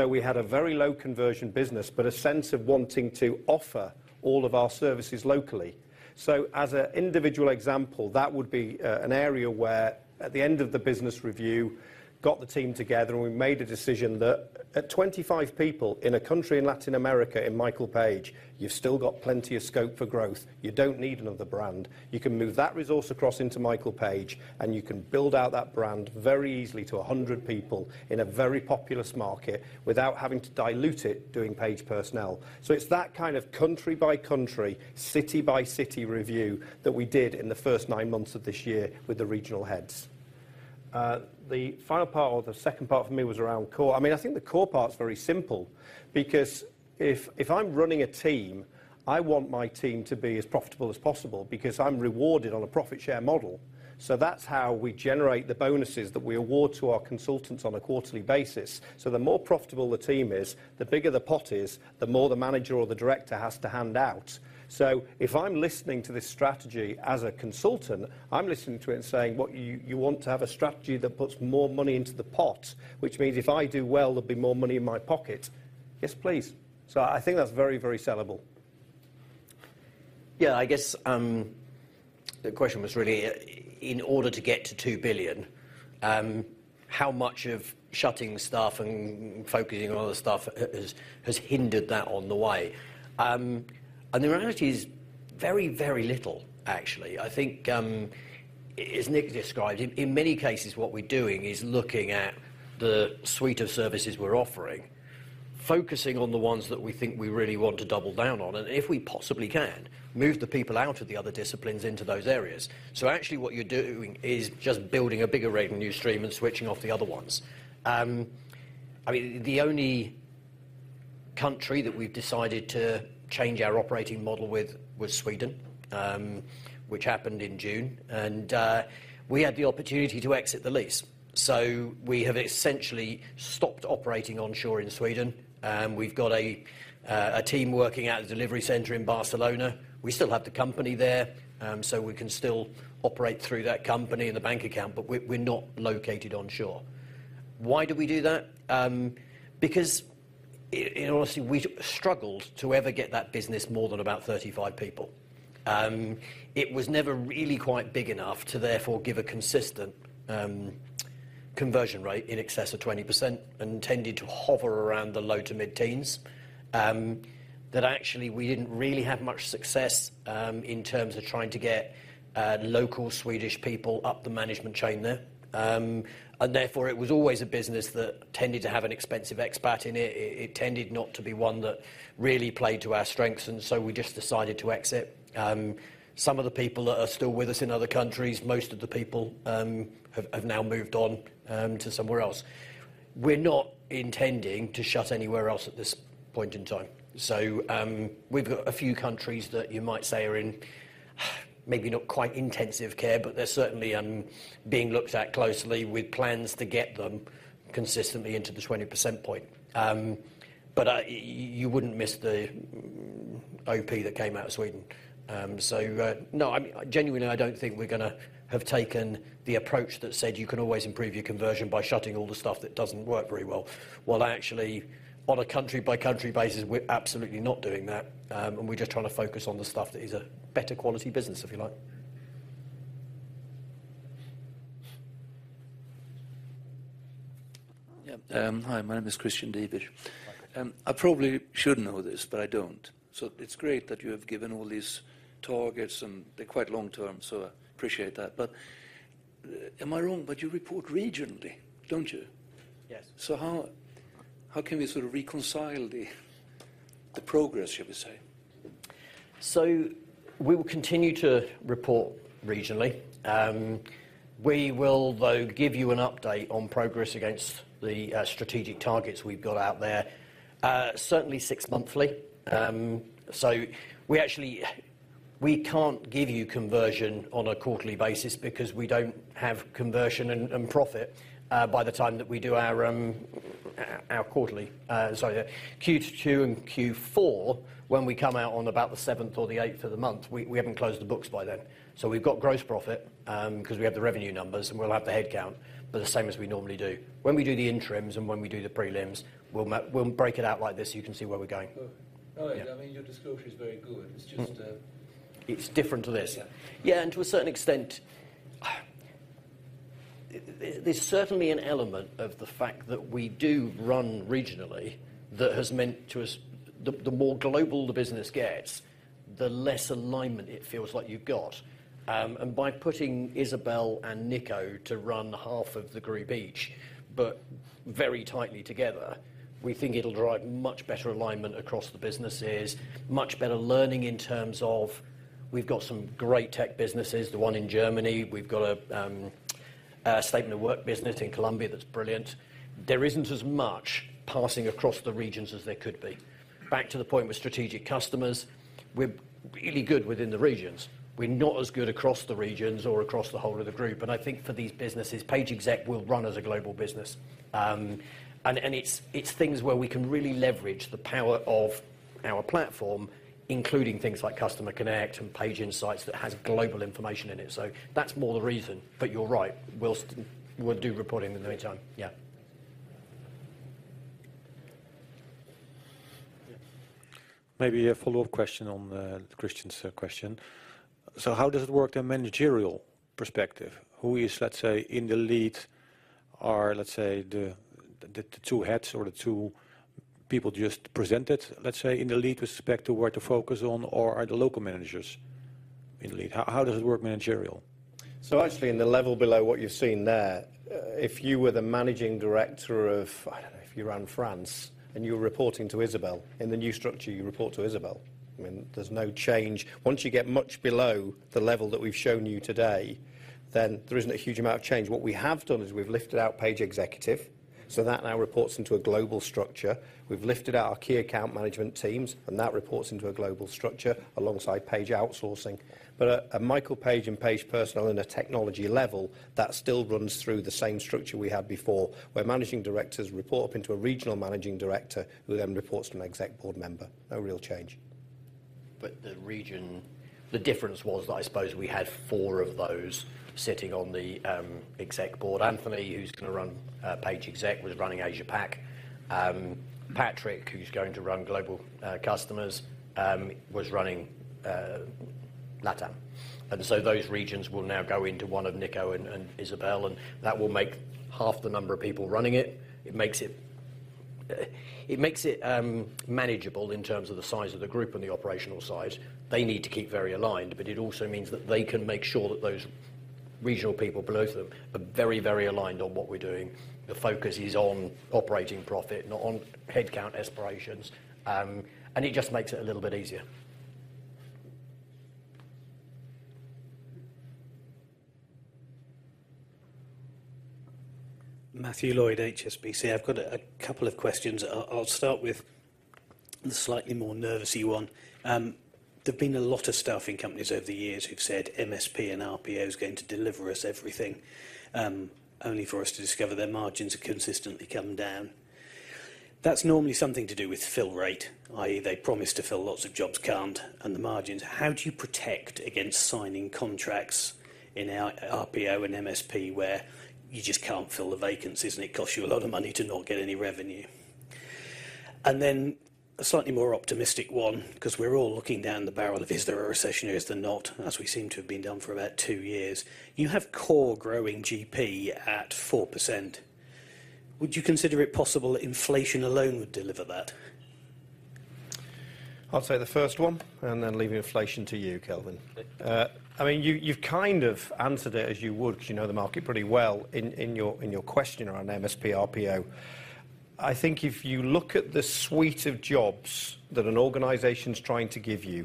We had a very low conversion business, but a sense of wanting to offer all of our services locally. So as an individual example, that would be an area where, at the end of the business review, got the team together, and we made a decision that at 25 people in a country in Latin America, in Michael Page, you've still got plenty of scope for growth. You don't need another brand. You can move that resource across into Michael Page, and you can build out that brand very easily to 100 people in a very populous market without having to dilute it, doing Page Personnel. So it's that kind of country by country, city by city review that we did in the first nine months of this year with the regional heads. The final part or the second part for me was around core. I mean, I think the core part's very simple because if I'm running a team, I want my team to be as profitable as possible because I'm rewarded on a profit share model. So that's how we generate the bonuses that we award to our consultants on a quarterly basis. So the more profitable the team is, the bigger the pot is, the more the manager or the director has to hand out. So if I'm listening to this strategy as a consultant, I'm listening to it and saying: Well, you want to have a strategy that puts more money into the pot, which means if I do well, there'll be more money in my pocket. Yes, please. So I think that's very, very sellable. Yeah, I guess the question was really, in order to get to 2 billion, how much of shutting stuff and focusing on other stuff has hindered that on the way? The reality is very, very little, actually. I think, as Nick described, in many cases, what we're doing is looking at the suite of services we're offering, focusing on the ones that we think we really want to double down on, and if we possibly can, move the people out of the other disciplines into those areas. I mean, what you're doing is just building a bigger revenue stream and switching off the other ones. I mean, the only country that we've decided to change our operating model with was Sweden, which happened in June, and we had the opportunity to exit the lease. So we have essentially stopped operating onshore in Sweden, and we've got a team working at a delivery center in Barcelona. We still have the company there, so we can still operate through that company and the bank account, but we're not located onshore. Why did we do that? Because in all honesty, we struggled to ever get that business more than about 35 people. It was never really quite big enough to therefore give a consistent conversion rate in excess of 20% and tended to hover around the low- to mid-teens%. That actually, we didn't really have much success in terms of trying to get local Swedish people up the management chain there. And therefore, it was always a business that tended to have an expensive expat in it. It tended not to be one that really played to our strengths, and so we just decided to exit. Some of the people that are still with us in other countries, most of the people, have now moved on to somewhere else. We're not intending to shut anywhere else at this point in time. So, we've got a few countries that you might say are in, maybe not quite intensive care, but they're certainly being looked at closely with plans to get them consistently into the 20% point. But you wouldn't miss the OP that came out of Sweden. So, no, I mean, genuinely, I don't think we're gonna have taken the approach that said, "You can always improve your conversion by shutting all the stuff that doesn't work very well." Well, actually, on a country-by-country basis, we're absolutely not doing that, and we're just trying to focus on the stuff that is a better quality business, if you like.... Yeah, hi, my name is Christian Diebitsch. I probably should know this, but I don't. So it's great that you have given all these targets, and they're quite long-term, so I appreciate that. But am I wrong, but you report regionally, don't you? Yes. So how can we sort of reconcile the progress, shall we say? So we will continue to report regionally. We will, though, give you an update on progress against the strategic targets we've got out there, certainly six monthly. So we actually. We can't give you conversion on a quarterly basis because we don't have conversion and profit by the time that we do our quarterly, sorry, Q2 and Q4, when we come out on about the seventh or the eighth of the month, we haven't closed the books by then. So we've got gross profit, 'cause we have the revenue numbers, and we'll have the head count, but the same as we normally do. When we do the interims, and when we do the prelims, we'll break it out like this, so you can see where we're going. Good. Yeah. All right. I mean, your disclosure is very good. It's just, It's different to this. Yeah. Yeah, and to a certain extent, there's certainly an element of the fact that we do run regionally that has meant to us, the more global the business gets, the less alignment it feels like you've got. And by putting Isabelle and Nico to run half of the group each, but very tightly together, we think it'll drive much better alignment across the businesses, much better learning in terms of, we've got some great tech businesses, the one in Germany. We've got a statement of work business in Colombia that's brilliant. There isn't as much passing across the regions as there could be. Back to the point with Strategic Customers, we're really good within the regions. We're not as good across the regions or across the whole of the group, and I think for these businesses, PageExec will run as a global business. It's things where we can really leverage the power of our platform, including things like Customer Connect and Page Insights that has global information in it. So that's more the reason, but you're right, we'll do reporting in the meantime. Yeah. Maybe a follow-up question on Christian's question. So how does it work in managerial perspective? Who is, let's say, in the lead, or let's say, the two heads or the two people just presented, let's say, in the lead with respect to where to focus on, or are the local managers in the lead? How does it work managerial? So actually, in the level below what you've seen there, if you were the managing director of... I don't know, if you ran France, and you were reporting to Isabelle, in the new structure, you report to Isabelle. I mean, there's no change. Once you get much below the level that we've shown you today, then there isn't a huge amount of change. What we have done is we've lifted out Page Executive, so that now reports into a global structure. We've lifted out our key account management teams, and that reports into a global structure alongside Page Outsourcing. But at Michael Page and Page Personnel in a technology level, that still runs through the same structure we had before, where managing directors report up into a regional managing director, who then reports to an exec board member. No real change. The difference was that I suppose we had four of those sitting on the exec board. Anthony, who's gonna run Page Exec, was running Asia Pac. Patrick, who's going to run Global Customers, was running LATAM. And so those regions will now go into one of Nico and Isabelle, and that will make half the number of people running it. It makes it, it makes it manageable in terms of the size of the group and the operational size. They need to keep very aligned, but it also means that they can make sure that those regional people below them are very, very aligned on what we're doing. The focus is on operating profit, not on headcount aspirations, and it just makes it a little bit easier. Matthew Lloyd, HSBC. I've got a couple of questions. I'll start with the slightly more nervousy one. There've been a lot of staffing companies over the years who've said, "MSP and RPO is going to deliver us everything," only for us to discover their margins are consistently coming down. That's normally something to do with fill rate, i.e., they promise to fill lots of jobs, can't, and the margins. How do you protect against signing contracts in our RPO and MSP, where you just can't fill the vacancies, and it costs you a lot of money to not get any revenue? And then, a slightly more optimistic one, 'cause we're all looking down the barrel of, "Is there a recession? Is there not?" As we seem to have been done for about two years. You have core growing GP at 4%. Would you consider it possible that inflation alone would deliver that? I'll take the first one, and then leave inflation to you, Kelvin. Okay. I mean, you, you've kind of answered it as you would because you know the market pretty well in your question around MSP, RPO. I think if you look at the suite of jobs that an organization's trying to give you,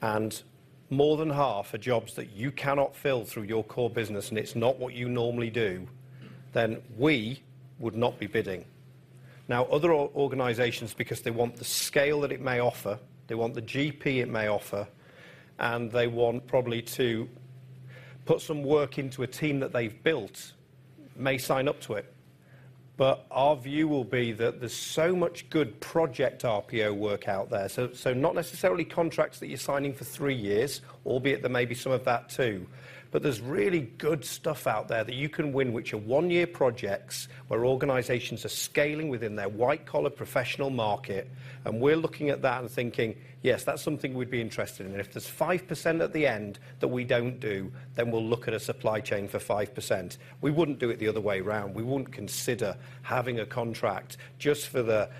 and more than half are jobs that you cannot fill through your core business, and it's not what you normally do, then we would not be bidding. Now, other organizations, because they want the scale that it may offer, they want the GP it may offer, and they want probably to put some work into a team that they've built, may sign up to it. But our view will be that there's so much good project RPO work out there, so not necessarily contracts that you're signing for three years, all be it there may be some of that, too. But there's really good stuff out there that you can win, which are 1-year projects, where organizations are scaling within their white-collar professional market, and we're looking at that and thinking, "Yes, that's something we'd be interested in." And if there's 5% at the end that we don't do, then we'll look at a supply chain for 5%. We wouldn't do it the other way around. We wouldn't consider having a contract just for the- ...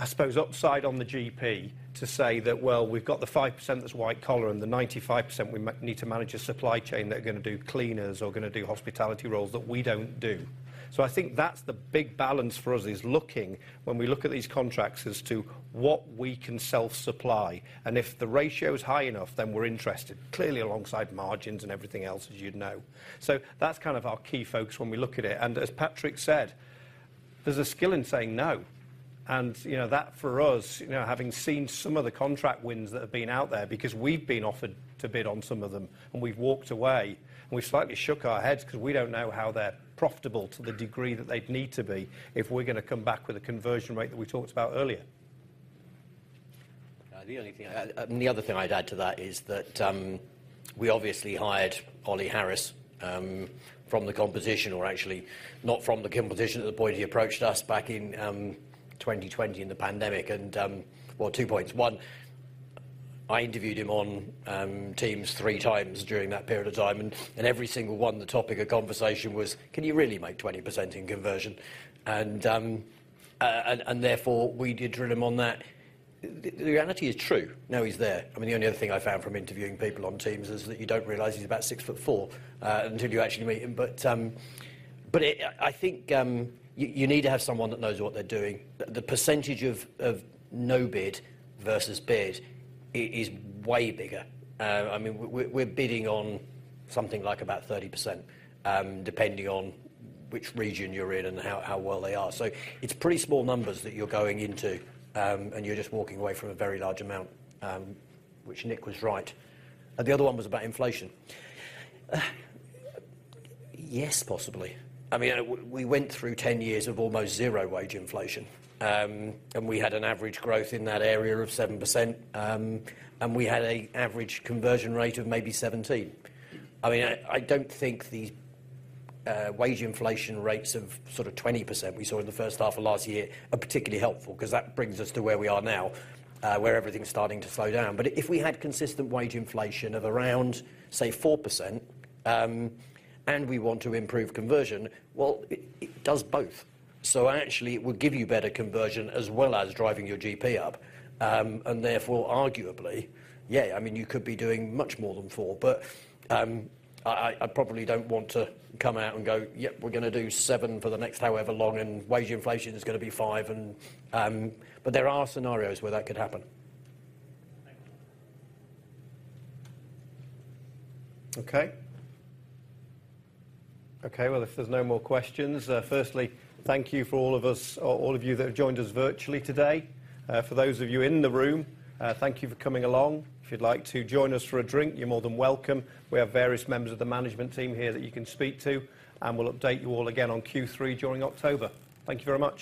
I suppose, upside on the GP to say that, well, we've got the 5% that's white-collar, and the 95% we need to manage a supply chain that are gonna do cleaners or gonna do hospitality roles that we don't do. So I think that's the big balance for us, is looking, when we look at these contracts, as to what we can self-supply, and if the ratio is high enough, then we're interested, clearly alongside margins and everything else, as you'd know. So that's kind of our key focus when we look at it. As Patrick said, there's a skill in saying no, and, you know, that for us, you know, having seen some of the contract wins that have been out there, because we've been offered to bid on some of them, and we've walked away, and we've slightly shook our heads because we don't know how they're profitable to the degree that they'd need to be if we're gonna come back with a conversion rate that we talked about earlier. The only thing I... And the other thing I'd add to that is that, we obviously hired Ollie Harris, from the competition, or actually not from the competition, at the point he approached us back in, 2020 in the pandemic. And, well, two points. One, I interviewed him on, Teams three times during that period of time, and every single one, the topic of conversation was: Can you really make 20% in conversion? And therefore, we did drill him on that. The reality is true. Now he's there. I mean, the only other thing I found from interviewing people on Teams is that you don't realize he's about six foot four, until you actually meet him. I think you need to have someone that knows what they're doing. The percentage of no bid versus bid is way bigger. I mean, we're bidding on something like about 30%, depending on which region you're in and how well they are. So it's pretty small numbers that you're going into, and you're just walking away from a very large amount, which Nick was right. And the other one was about inflation. Yes, possibly. I mean, we went through 10 years of almost zero wage inflation, and we had an average growth in that area of 7%, and we had a average conversion rate of maybe 17%. I mean, I don't think the wage inflation rates of sort of 20% we saw in the H1 of last year are particularly helpful, 'cause that brings us to where we are now, where everything's starting to slow down. But if we had consistent wage inflation of around, say, 4%, and we want to improve conversion, well, it does both. So actually, it would give you better conversion as well as driving your GP up. And therefore, arguably, yeah, I mean, you could be doing much more than four. But I probably don't want to come out and go, "Yep, we're gonna do 7% for the next however long, and wage inflation is gonna be 5%," and... But there are scenarios where that could happen. Thank you. Okay? Okay, well, if there's no more questions, firstly, thank you for all of us, or all of you that have joined us virtually today. For those of you in the room, thank you for coming along. If you'd like to join us for a drink, you're more than welcome. We have various members of the management team here that you can speak to, and we'll update you all again on Q3 during October. Thank you very much.